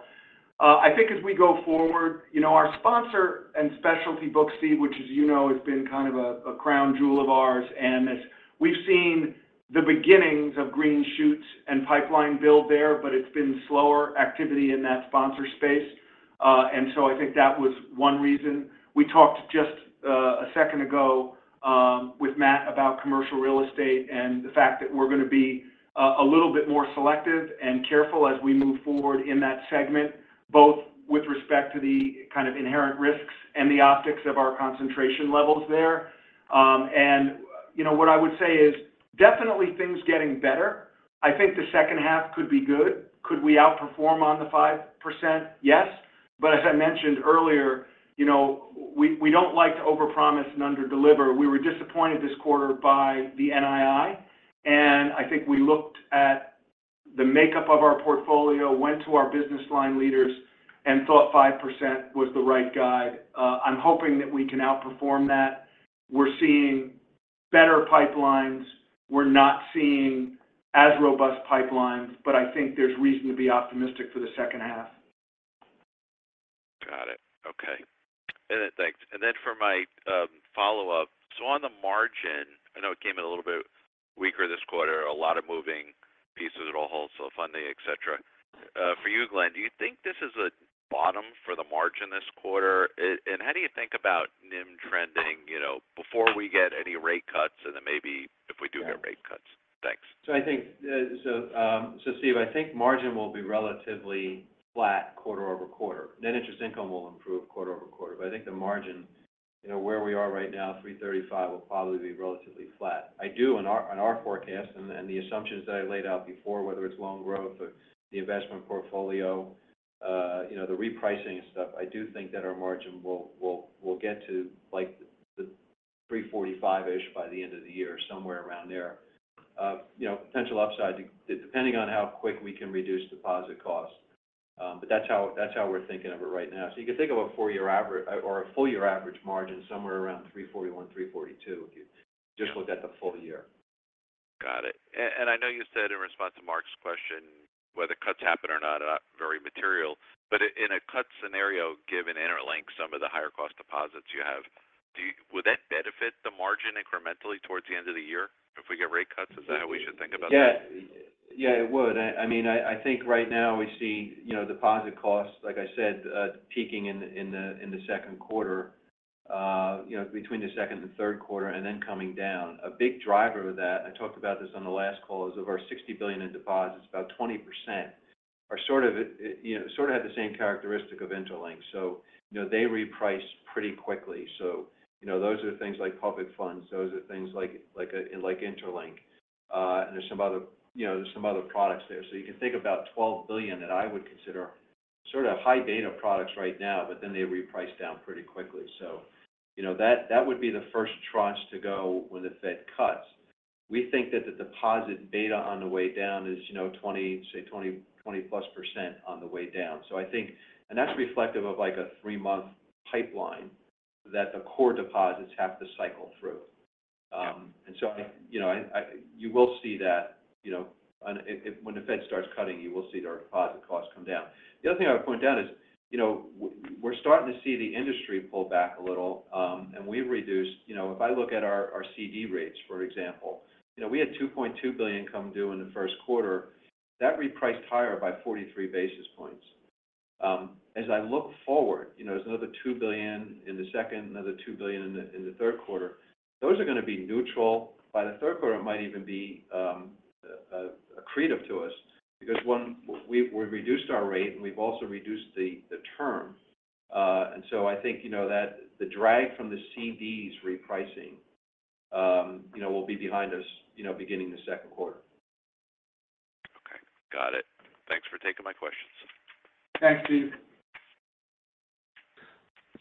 I think as we go forward, you know, our sponsor and specialty book, Steve, which, as you know, has been kind of a crown jewel of ours, and it's we've seen the beginnings of green shoots and pipeline build there, but it's been slower activity in that sponsor space. And so I think that was one reason. We talked just a second ago with Matt about commercial real estate and the fact that we're going to be a little bit more selective and careful as we move forward in that segment, both with respect to the kind of inherent risks and the optics of our concentration levels there. And, you know, what I would say is, definitely things getting better. I think the second half could be good. Could we outperform on the 5%? Yes. But as I mentioned earlier, you know, we, we don't like to overpromise and underdeliver. We were disappointed this quarter by the NII, and I think we looked at the makeup of our portfolio, went to our business line leaders, and thought 5% was the right guide. I'm hoping that we can out perform that. We're seeing better pipelines. We're not seeing as robust pipelines, but I think there's reason to be optimistic for the second half. Got it. Okay. And then, thanks. And then for my follow-up: so on the margin, I know it came in a little bit weaker this quarter, a lot of moving pieces at wholesale funding, et cetera. For you, Glenn, do you think this is a bottom for the margin this quarter? And how do you think about NIM trending, you know, before we get any rate cuts and then maybe if we do get rate cuts? Thanks. So I think, Steve, I think margin will be relatively flat quarter-over-quarter. Net interest income will improve quarter-over-quarter, but I think the margin, you know, where we are right now, 3.35, will probably be relatively flat. I do on our forecast and the assumptions that I laid out before, whether it's loan growth or the investment portfolio, you know, the repricing and stuff, I do think that our margin will get to like the 3.45-ish by the end of the year, somewhere around there. You know, potential upside, depending on how quick we can reduce deposit costs, but that's how we're thinking of it right now. So you can think of a four year or a full year average margin somewhere around 3.41, 3.42, if you just look at the full year. Got it. And I know you said in response to Mark's question, whether cuts happen or not, not very material, but in a cut scenario, given InterLINK, some of the higher cost deposits you have, would that benefit the margin incrementally towards the end of the year if we get rate cuts? Is that how we should think about that? Yeah. Yeah, it would. I mean, I think right now we see, you know, deposit costs, like I said, peaking in the second quarter, you know, between the second and third quarter, and then coming down. A big driver of that, I talked about this on the last call, is of our $60 billion in deposits, about 20% are sort of, you know, sort of have the same characteristic of InterLINK. So, you know, they reprice pretty quickly. So, you know, those are things like public funds, those are things like, like a, like InterLINK and there's some other, you know, there's some other products there. So you can think about $12 billion that I would consider sort of high beta products right now, but then they reprice down pretty quickly. So, you know, that, that would be the first tranche to go when the Fed cuts. We think that the deposit beta on the way down is, you know, 20, say, 20, 20+% on the way down. So I think-- and that's reflective of, like, a three-month pipeline that the core deposits have to cycle through. And so I, you know, I-- you will see that, you know, when the Fed starts cutting, you will see our deposit costs come down. The other thing I would point out is, you know, we're starting to see the industry pull back a little, and we've reduced... You know, if I look at our our CD rates, for example, you know, we had $2.2 billion come due in the first quarter. That repriced higher by 43 basis points. As I look forward, you know, there's another $2 billion in the second, another $2 billion in the third quarter. Those are going to be neutral. By the third quarter, it might even be accretive to us because when we've we've reduced our rate, and we've also reduced the the term. And so I think, you know, that the drag from the CDs repricing, you know, will be behind us, you know, beginning the second quarter. Okay. Got it. Thanks for taking my questions. Thanks, Steve.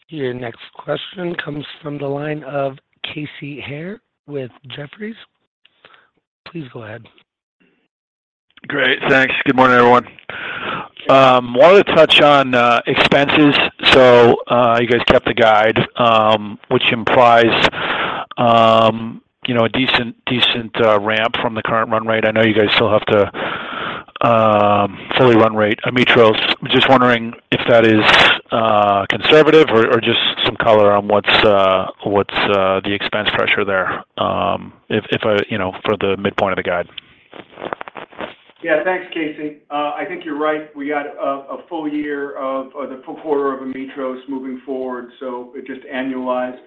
Your next question comes from the line of Casey Haire with Jefferies. Please go ahead. Great. Thanks. Good morning, everyone. Wanted to touch on expenses. So, you guys kept the guide, which implies, you know, a decent, decent ramp from the current run rate. I know you guys still have to fully run rate Ametros. Just wondering if that is conservative or or just some color on what's what's the expense pressure there, if I, you know, for the midpoint of the guide? Yeah. Thanks, Casey. I think you're right. We got a full year of, or the full quarter of Ametros moving forward, so it just annualized.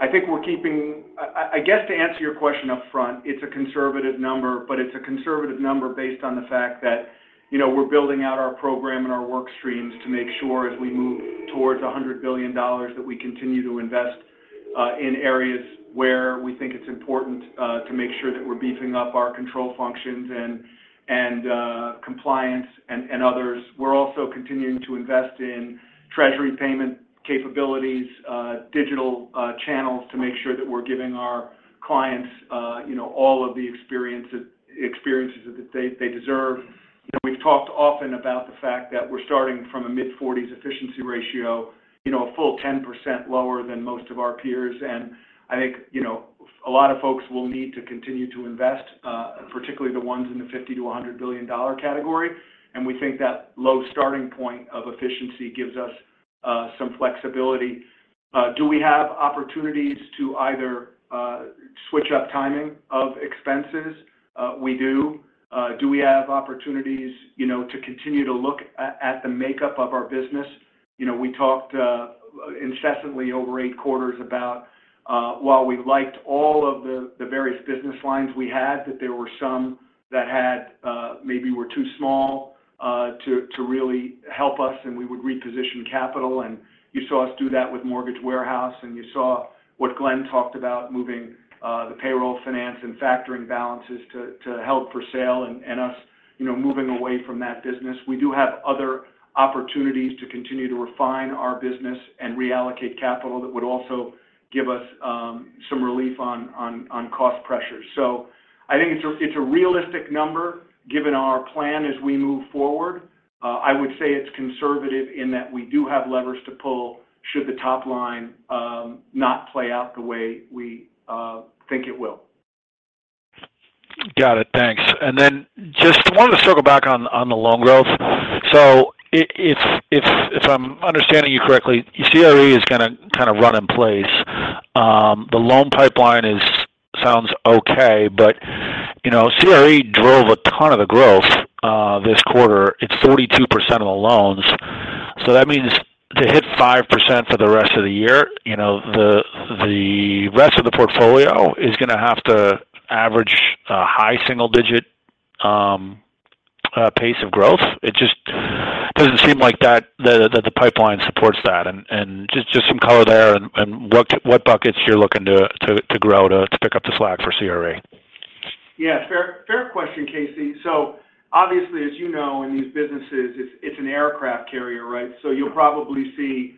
I think we're keeping. I guess, to answer your question up front, it's a conservative number, but it's a conservative number based on the fact that, you know, we're building out our program and our work streams to make sure as we move towards $100 billion, that we continue to invest in areas where we think it's important to make sure that we're beefing up our control functions and compliance and others. We're also continuing to invest in treasury payment capabilities, digital channels, to make sure that we're giving our clients, you know, all of the experience, experiences that they deserve. You know, we've talked often about the fact that we're starting from a mid-forties efficiency ratio, you know, a full 10% lower than most of our peers. And I think, you know, a lot of folks will need to continue to invest, particularly the ones in the $50 billion-$100 billion category. And we think that low starting point of efficiency gives us, some flexibility. Do we have opportunities to either, switch up timing of expenses? We do. Do we have opportunities, you know, to continue to look at, the makeup of our business? You know, we talked, incessantly over eight quarters about, while we liked all of the, the various business lines we had, that there were some that had, maybe were too small, to really help us, and we would reposition capital. And you saw us do that with Mortgage Warehouse, and you saw what Glenn talked about, moving the payroll finance and factoring balances to held for sale and us, you know, moving away from that business. We do have other opportunities to continue to refine our business and reallocate capital that would also give us some relief on cost pressures. So I think it's a realistic number, given our plan as we move forward. I would say it's conservative in that we do have levers to pull should the top line not play out the way we think it will. Got it. Thanks. And then just wanted to circle back on the loan growth. So it's, if I'm understanding you correctly, CRE is going to kind of run in place. The loan pipeline sounds okay, but, you know, CRE drove a ton of the growth this quarter. It's 42% of the loans. So that means to hit 5% for the rest of the year, you know, the rest of the portfolio is going to have to average a high single digit pace of growth. It just doesn't seem like that the pipeline supports that. And just some color there and what buckets you're looking to grow to pick up the slack for CRE? Yeah. Fair, fair question, Casey. So obviously, as you know, in these businesses, it's an aircraft carrier, right? So you'll probably see,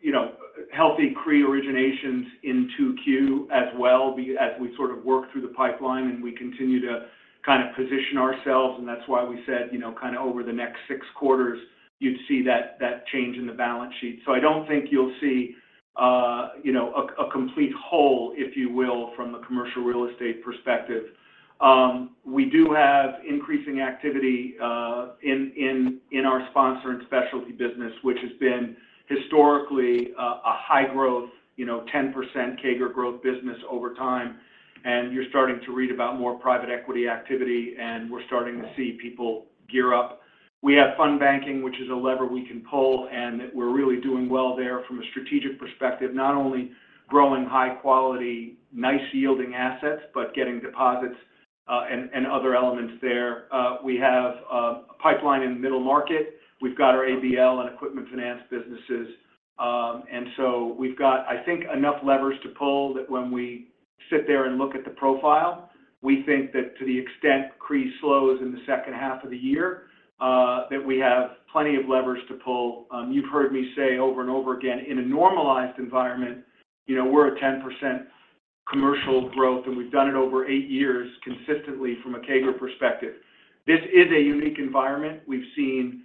you know, healthy CRE originations in 2Q as well, as we sort of work through the pipeline and we continue to kind of position ourselves. And that's why we said, you know, kind of over the next six quarters, you'd see that change in the balance sheet. So I don't think you'll see, you know, a complete hole, if you will, from the commercial real estate perspective. We do have increasing activity in our sponsor and specialty business, which has been historically a high growth, you know, 10% CAGR growth business over time. And you're starting to read about more private equity activity, and we're starting to see people gear up. We have fund banking, which is a lever we can pull, and we're really doing well there from a strategic perspective, not only growing high quality, nice yielding assets, but getting deposits, and other elements there. We have a pipeline in middle market. We've got our ABL and equipment finance businesses, and so we've got, I think, enough levers to pull that when we sit there and look at the profile, we think that to the extent CRE slows in the second half of the year, that we have plenty of levers to pull. You've heard me say over and over again, in a normalized environment, you know, we're a 10% commercial growth, and we've done it over eight years consistently from a CAGR perspective. This is a unique environment. We've seen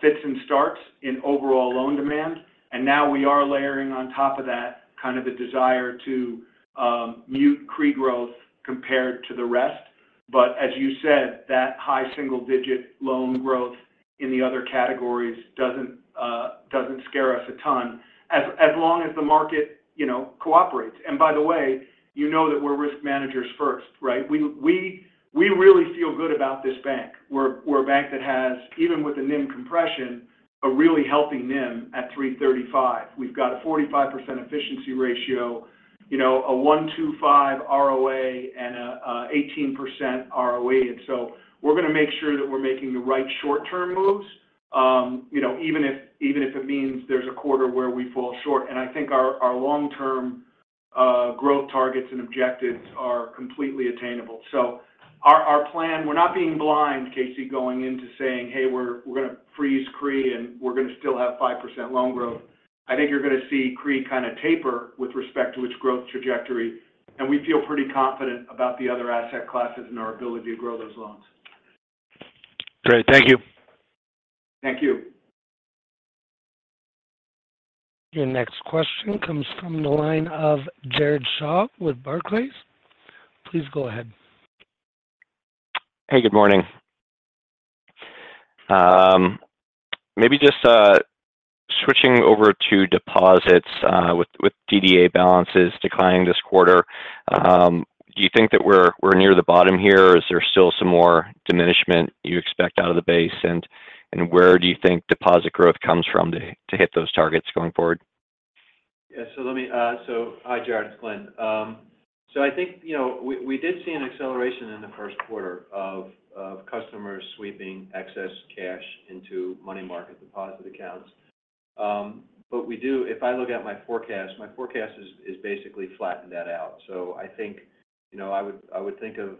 fits and starts in overall loan demand, and now we are layering on top of that kind of a desire to mute CRE growth compared to the rest. But as you said, that high single-digit loan growth in the other categories doesn't scare us a ton, as long as the market, you know, cooperates. And by the way, you know that we're risk managers first, right? We really feel good about this bank. We're a bank that has, even with the NIM compression, a really healthy NIM at 3.35. We've got a 45% efficiency ratio, you know, a 1.25 ROA and an 18% ROE. And so we're going to make sure that we're making the right short-term moves, you know, even if it means there's a quarter where we fall short. I think our, our long-term growth targets and objectives are completely attainable. So our, our plan—we're not being blind, Casey, going into saying, "Hey, we're, we're going to freeze CRE, and we're going to still have 5% loan growth." I think you're going to see CRE kind of taper with respect to its growth trajectory, and we feel pretty confident about the other asset classes and our ability to grow those loans. Great. Thank you. Thank you. Your next question comes from the line of Jared Shaw with Barclays. Please go ahead. Hey, good morning. Maybe just switching over to deposits, with DDA balances declining this quarter, do you think that we're near the bottom here, or is there still some more diminishment you expect out of the base? And where do you think deposit growth comes from to hit those targets going forward? Yeah. So let me... So hi, Jared, it's Glenn. So I think, you know, we, we did see an acceleration in the first quarter of, of customers sweeping excess cash into money market deposit accounts. But we do-- if I look at my forecast, my forecast is, is basically flattened that out. So I think, you know, I would, I would think of,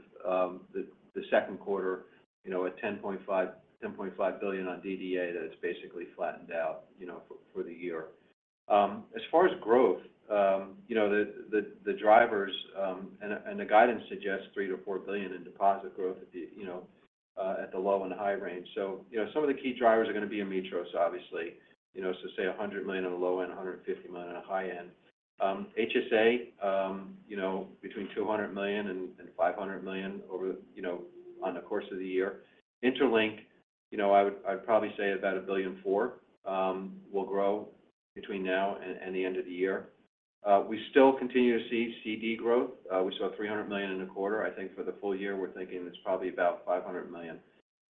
the, the second quarter, you know, at $10.5 billion on DDA, that it's basically flattened out, you know, for, for the year. As far as growth, you know, the, the, the drivers, and, and the guidance suggests $3 billion-$4 billion in deposit growth at the, you know, at the low and high range. So, you know, some of the key drivers are going to be in Ametros, obviously. You know, so say $100 million on the low end, $150 million on the high end. HSA, you know, between $200 million and $500 million over, you know, on the course of the year. Interlink, you know, I'd probably say about $1.4 billion will grow between now and the end of the year. We still continue to see CD growth. We saw $300 million in a quarter. I think for the full year, we're thinking it's probably about $500 million.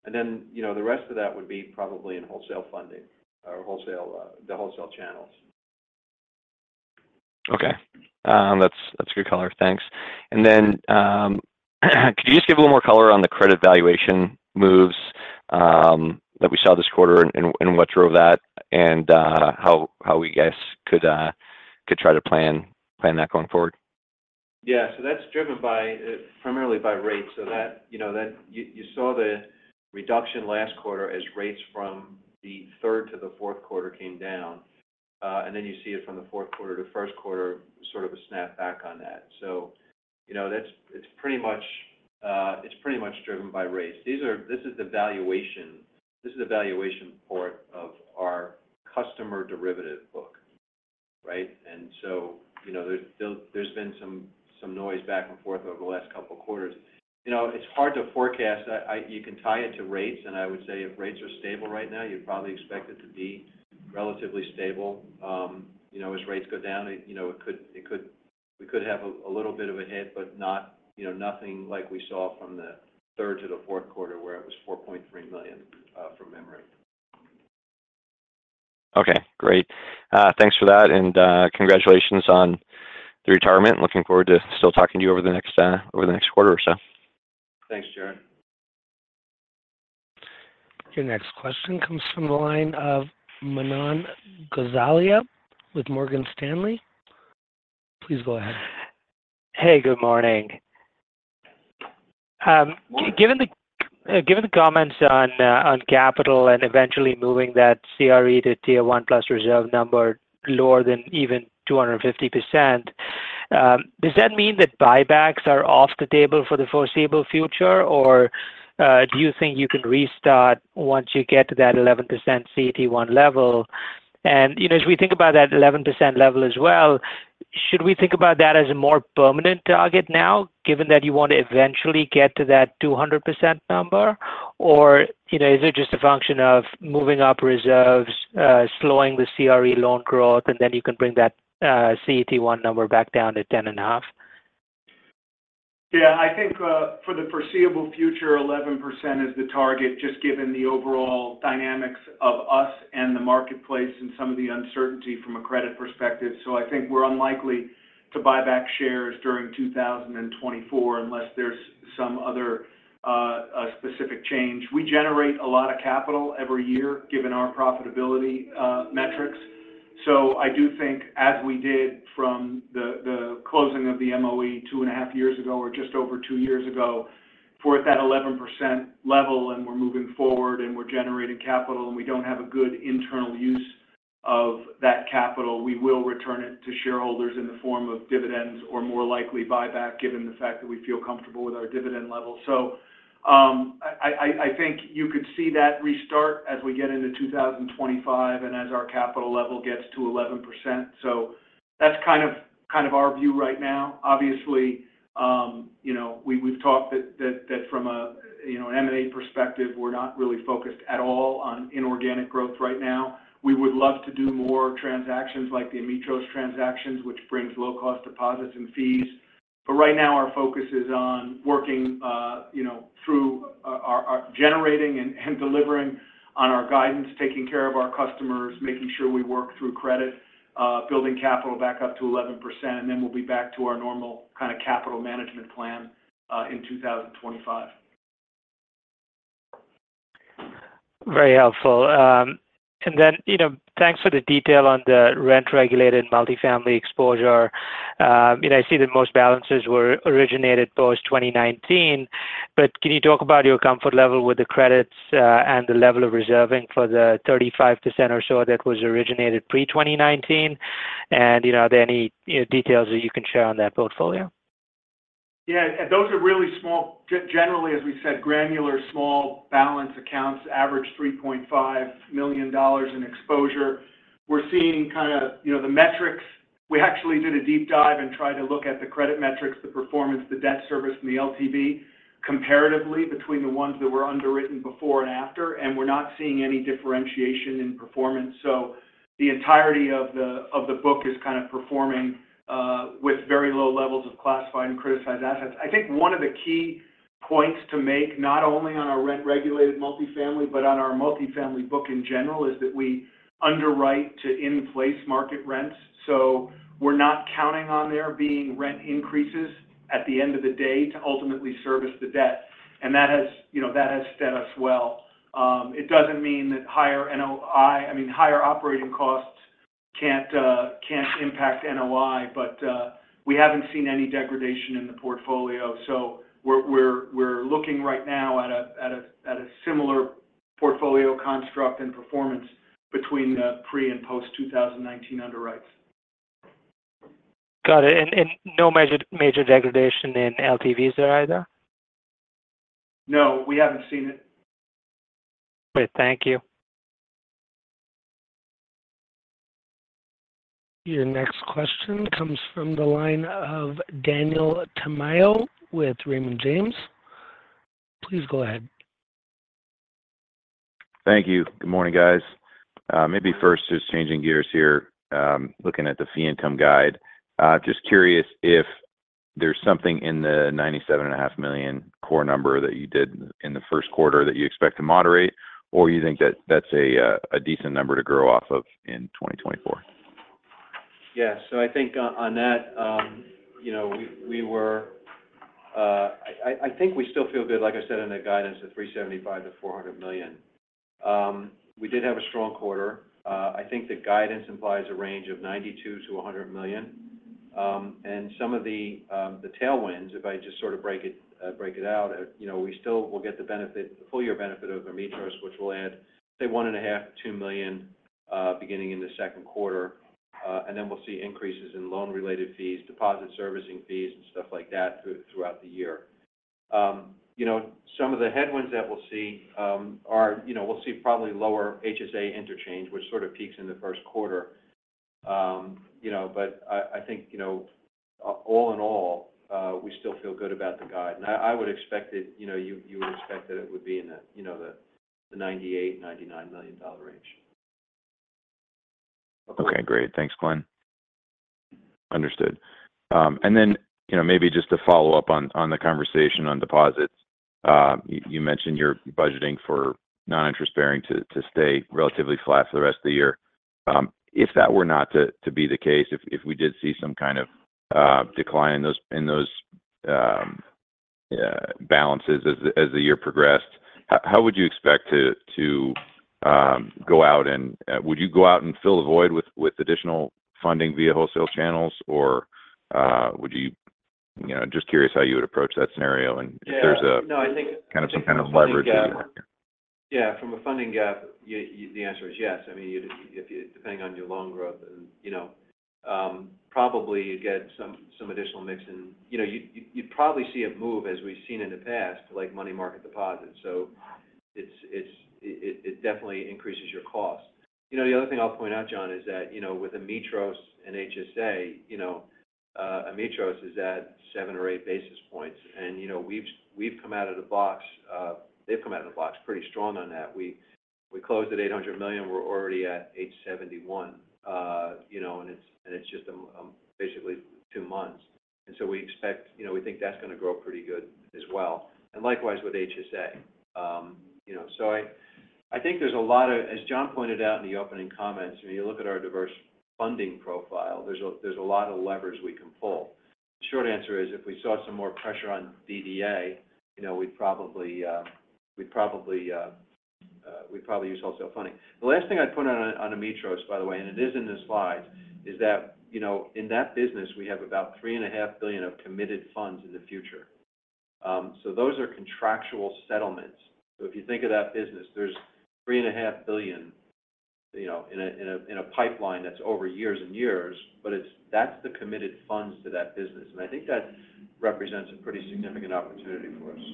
And then, you know, the rest of that would be probably in wholesale funding or wholesale, the wholesale channels. Okay. That's a good color. Thanks. And then, could you just give a little more color on the credit valuation moves that we saw this quarter and what drove that, and how we guys could try to plan that going forward? Yeah. So that's driven primarily by rates, so that, you know, you saw the reduction last quarter as rates from the third to the fourth quarter came down. And then you see it from the fourth quarter to first quarter, sort of a snapback on that. So, you know, that's it. It's pretty much driven by rates. This is the valuation part of our customer derivative book, right? And so, you know, there's been some noise back and forth over the last couple of quarters. You know, it's hard to forecast. You can tie it to rates, and I would say if rates are stable right now, you'd probably expect it to be relatively stable. You know, as rates go down, it could we could have a little bit of a hit, but not, you know, nothing like we saw from the third to the fourth quarter, where it was $4.3 million, from memory. Okay, great. Thanks for that, and congratulations on the retirement. Looking forward to still talking to you over the next quarter or so. Thanks, Jared. Your next question comes from the line of Manan Gosalia with Morgan Stanley. Please go ahead. Hey, good morning. Given the, given the comments on capital and eventually moving that CRE to Tier 1 plus reserve number lower than even 250%, does that mean that buybacks are off the table for the foreseeable future, or do you think you can restart once you get to that 11% CET1 level? And, you know, as we think about that 11% level as well, should we think about that as a more permanent target now, given that you want to eventually get to that 200% number? Or, you know, is it just a function of moving up reserves, slowing the CRE loan growth, and then you can bring that CET1 number back down to 10.5? Yeah, I think, for the foreseeable future, 11% is the target, just given the overall dynamics of us and the marketplace and some of the uncertainty from a credit perspective. So I think we're unlikely to buy back shares during 2024 unless there's some other, a specific change. We generate a lot of capital every year, given our profitability, metrics.... so I do think as we did from the closing of the MOE two and a half years ago, or just over two years ago, if we're at that 11% level, and we're moving forward, and we're generating capital, and we don't have a good internal use of that capital, we will return it to shareholders in the form of dividends, or more likely, buyback, given the fact that we feel comfortable with our dividend level. So, I think you could see that restart as we get into 2025 and as our capital level gets to 11%. So that's kind of our view right now. Obviously, you know, we've talked that from a, you know, M&A perspective, we're not really focused at all on inorganic growth right now. We would love to do more transactions like the Ametros transactions, which brings low-cost deposits and fees. But right now, our focus is on working, you know, through our generating and delivering on our guidance, taking care of our customers, making sure we work through credit, building capital back up to 11%, and then we'll be back to our normal kind of capital management plan in 2025. Very helpful. And then, you know, thanks for the detail on the rent-regulated multifamily exposure. And I see that most balances were originated post-2019, but can you talk about your comfort level with the credits, and the level of reserving for the 35% or so that was originated pre-2019? And, you know, are there any, you know, details that you can share on that portfolio? Yeah, those are really small- generally, as we said, granular, small balance accounts, average $3.5 million in exposure. We're seeing kinda, you know, the metrics. We actually did a deep dive and tried to look at the credit metrics, the performance, the debt service, and the LTV comparatively between the ones that were underwritten before and after, and we're not seeing any differentiation in performance. So the entirety of the, of the book is kind of performing with very low levels of classified and criticized assets. I think one of the key points to make, not only on our rent-regulated multifamily, but on our multifamily book in general, is that we underwrite to in-place market rents. So we're not counting on there being rent increases at the end of the day to ultimately service the debt, and that has, you know, that has served us well. It doesn't mean that higher NOI, I mean, higher operating costs can't impact NOI, but we haven't seen any degradation in the portfolio. So we're looking right now at a similar portfolio construct and performance between the pre- and post-2019 underwrites. Got it. And no major degradation in LTVs there either? No, we haven't seen it. Great. Thank you. Your next question comes from the line of Daniel Tamayo with Raymond James. Please go ahead. Thank you. Good morning, guys. Maybe first, just changing gears here, looking at the fee income guide, just curious if there's something in the $97.5 million core number that you did in the first quarter that you expect to moderate, or you think that that's a decent number to grow off of in 2024? Yeah. So I think on that, you know, we were. I think we still feel good, like I said, in the guidance of $375 million-$400 million. We did have a strong quarter. I think the guidance implies a range of $92 million-$100 million. And some of the, the tailwinds, if I just sort of break it out, you know, we still will get the benefit- the full year benefit of Ametros, which will add, say, $1.5 million-$2 million, beginning in the second quarter. And then we'll see increases in loan-related fees, deposit servicing fees, and stuff like that throughout the year. You know, some of the headwinds that we'll see are, you know, we'll see probably lower HSA interchange, which sort of peaks in the first quarter. You know, but I think, you know, all in all, we still feel good about the guide. And I would expect it, you know, you would expect that it would be in the, you know, the $98 million-$99 million range. Okay, great. Thanks, Glenn. Understood. And then, you know, maybe just to follow up on the conversation on deposits. You mentioned you're budgeting for non-interest bearing to stay relatively flat for the rest of the year. If that were not to be the case, if we did see some kind of decline in those balances as the year progressed, how would you expect to go out and would you go out and fill the void with additional funding via wholesale channels, or would you- you know, just curious how you would approach that scenario and if there's a- Yeah. No, I think- kind of some kind of leverage there. Yeah, from a funding gap, you the answer is yes. I mean, you'd if you depending on your loan growth, and, you know, probably you'd get some additional mix and, you know, you'd probably see a move, as we've seen in the past, like money market deposits. So it's it definitely increases your cost. You know, the other thing I'll point out, John, is that, you know, with Ametros and HSA, you know, Ametros is at 7 or 8 basis points, and you know, we've come out of the box, they've come out of the box pretty strong on that. We closed at $800 million, we're already at $871 million, you know, and it's just basically two months. So we expect, you know, we think that's going to grow pretty good as well, and likewise with HSA. You know, so I think there's a lot of, as John pointed out in the opening comments, when you look at our diverse funding profile, there's a lot of levers we can pull. The short answer is if we saw some more pressure on DDA, you know, we'd probably use wholesale funding. The last thing I'd point out on Ametros, by the way, and it is in the slides, is that, you know, in that business, we have about $3.5 billion of committed funds in the future. So those are contractual settlements. So if you think of that business, there's $3.5 billion, you know, in a pipeline that's over years and years, but it's, that's the committed funds to that business. And I think that represents a pretty significant opportunity for us.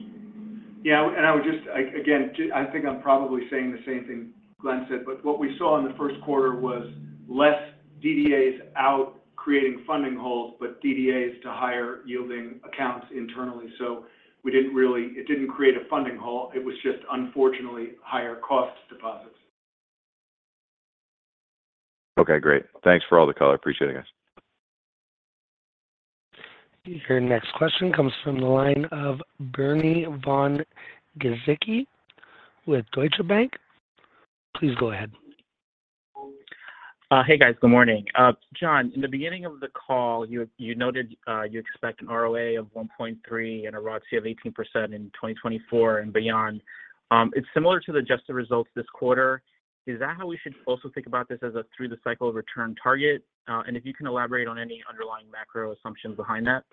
Yeah, and I would just, again, I think I'm probably saying the same thing Glenn said, but what we saw in the first quarter was less DDAs out creating funding holes, but DDAs to higher yielding accounts internally. So we didn't really—it didn't create a funding hole. It was just unfortunately, higher cost deposits. Okay, great. Thanks for all the color. Appreciate it, guys. Your next question comes from the line of Bernie Von Gizycki with Deutsche Bank. Please go ahead. Hey, guys, good morning. John, in the beginning of the call, you, you noted, you expect an ROA of 1.3 and a ROTCE of 18% in 2024 and beyond. It's similar to the adjusted results this quarter. Is that how we should also think about this as a through the cycle return target? If you can elaborate on any underlying macro assumptions behind that.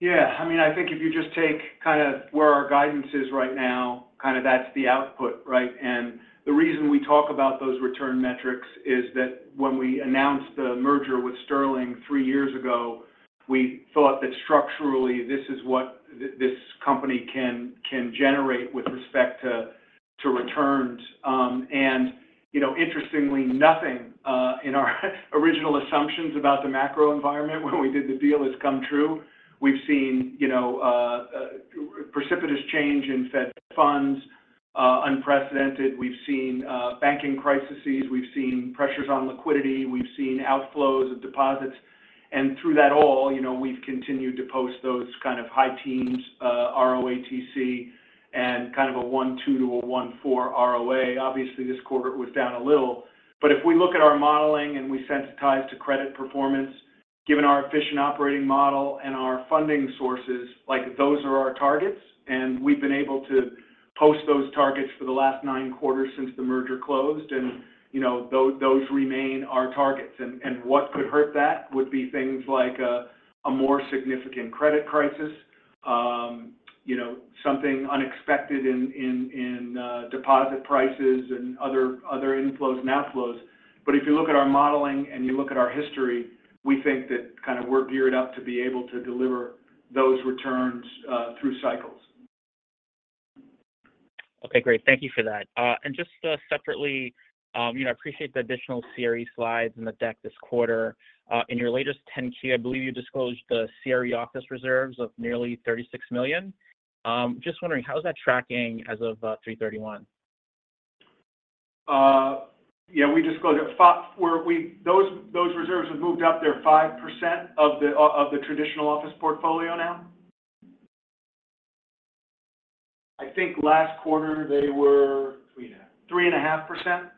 Yeah, I mean, I think if you just take kind of where our guidance is right now, kind of that's the output, right? And the reason we talk about those return metrics is that when we announced the merger with Sterling three years ago, we thought that structurally, this is what this company can generate with respect to returns. And, you know, interestingly, nothing in our original assumptions about the macro environment when we did the deal has come true. We've seen, you know, precipitous change in Fed funds, unprecedented. We've seen banking crises, we've seen pressures on liquidity, we've seen outflows of deposits, and through that all, you know, we've continued to post those kind of high teens ROATC, and kind of a 1.2-1.4 ROA. Obviously, this quarter was down a little. But if we look at our modeling and we sensitize to credit performance, given our efficient operating model and our funding sources, like, those are our targets, and we've been able to post those targets for the last nine quarters since the merger closed. And, you know, those remain our targets. And what could hurt that would be things like a more significant credit crisis, you know, something unexpected in deposit prices and other inflows and outflows. But if you look at our modeling and you look at our history, we think that kind of we're geared up to be able to deliver those returns through cycles. Okay, great. Thank you for that. Just, separately, you know, I appreciate the additional CRE slides in the deck this quarter. In your latest 10-Q, I believe you disclosed the CRE office reserves of nearly $36 million. Just wondering, how is that tracking as of 3/31? Yeah, we disclosed it. Those reserves have moved up. They're 5% of the traditional office portfolio now. I think last quarter they were- 3.5. 3.5%.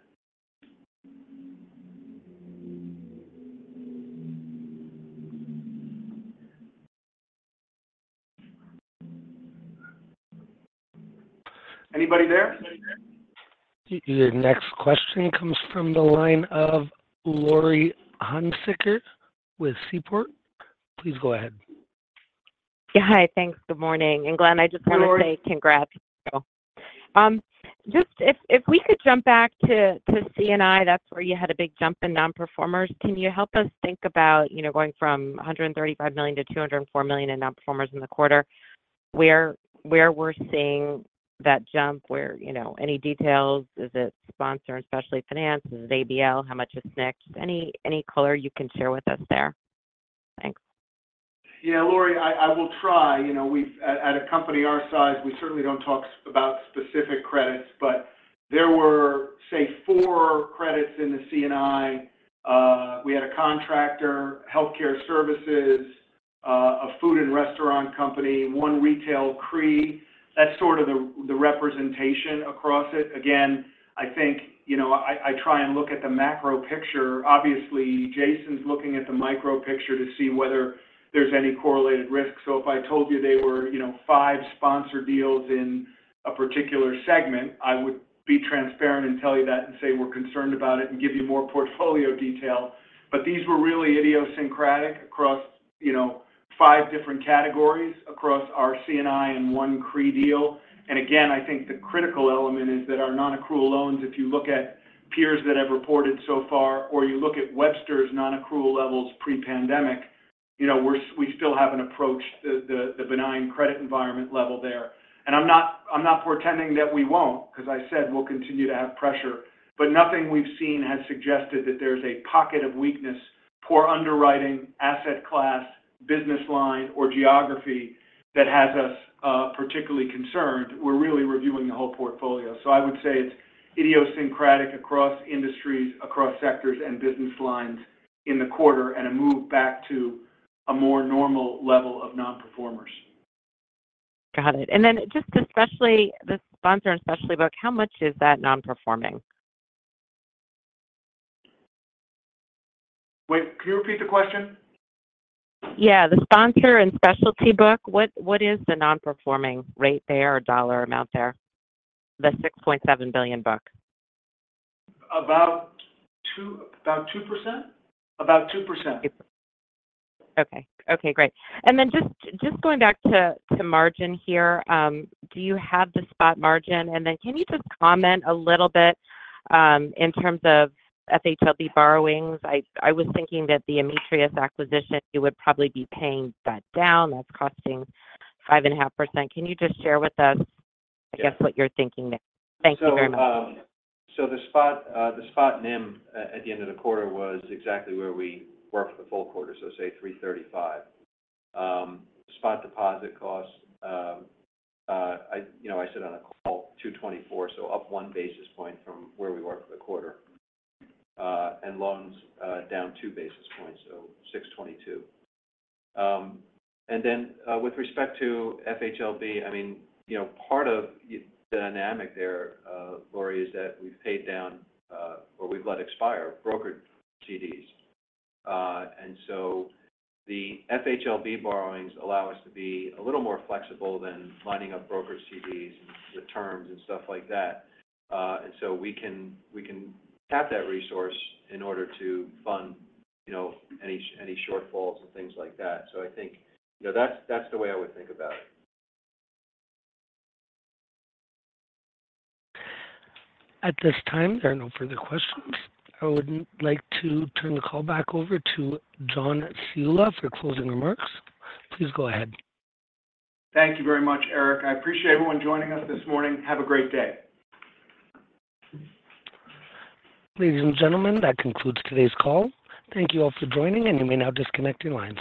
Anybody there? Your next question comes from the line of Laurie Hunsicker with Seaport. Please go ahead. Yeah. Hi, thanks. Good morning. And Glenn, I just want to say congrats. Just if, if we could jump back to, to C&I, that's where you had a big jump in non-performers. Can you help us think about, you know, going from $135 million to $204 million in non-performers in the quarter? Where, where we're seeing that jump, where, you know, any details? Is it sponsor and specialty finance? Is it ABL? How much is SNC? Just any, any color you can share with us there? Thanks. Yeah, Laurie, I will try. You know, we've at a company our size, we certainly don't talk about specific credits, but there were, say, four credits in the C&I. We had a contractor, healthcare services, a food and restaurant company, one retail CRE. That's sort of the representation across it. Again, I think, you know, I try and look at the macro picture. Obviously, Jason's looking at the micro picture to see whether there's any correlated risk. So if I told you they were, you know, five sponsor deals in a particular segment, I would be transparent and tell you that and say we're concerned about it and give you more portfolio detail. But these were really idiosyncratic across, you know, five different categories across our C&I and one CRE deal. And again, I think the critical element is that our nonaccrual loans, if you look at peers that have reported so far, or you look at Webster's nonaccrual levels pre-pandemic, you know, we're, we still haven't approached the benign credit environment level there. And I'm not, I'm not pretending that we won't, because I said we'll continue to have pressure, but nothing we've seen has suggested that there's a pocket of weakness, poor underwriting, asset class, business line, or geography that has us particularly concerned. We're really reviewing the whole portfolio. So I would say it's idiosyncratic across industries, across sectors, and business lines in the quarter, and a move back to a more normal level of non-performers. Got it. And then just especially the sponsor and specialty book, how much is that non-performing? Wait, can you repeat the question? Yeah, the sponsor and specialty book, what, what is the non-performing rate there or dollar amount there? The $6.7 billion book. About 2, about 2%. About 2%. Okay. Okay, great. And then just going back to margin here, do you have the spot margin? And then can you just comment a little bit in terms of FHLB borrowings? I was thinking that the Ametros acquisition, you would probably be paying that down. That's costing 5.5%. Can you just share with us, I guess, what you're thinking there? Thank you very much. So, the spot NIM at the end of the quarter was exactly where we were for the full quarter, so, say, 3.35. Spot deposit costs, I, you know, I said on a call, 2.24, so up 1 basis point from where we were for the quarter. And loans, down 2 basis points, so 6.22. And then, with respect to FHLB, I mean, you know, part of the dynamic there, Laurie, is that we've paid down, or we've let expire brokered CDs. And so the FHLB borrowings allow us to be a little more flexible than lining up brokered CDs and the terms and stuff like that. And so we can, we can tap that resource in order to fund, you know, any shortfalls and things like that. So, I think, you know, that's the way I would think about it. At this time, there are no further questions. I would like to turn the call back over to John Ciulla for closing remarks. Please go ahead. Thank you very much, Eric. I appreciate everyone joining us this morning. Have a great day. Ladies and gentlemen, that concludes today's call. Thank you all for joining, and you may now disconnect your lines.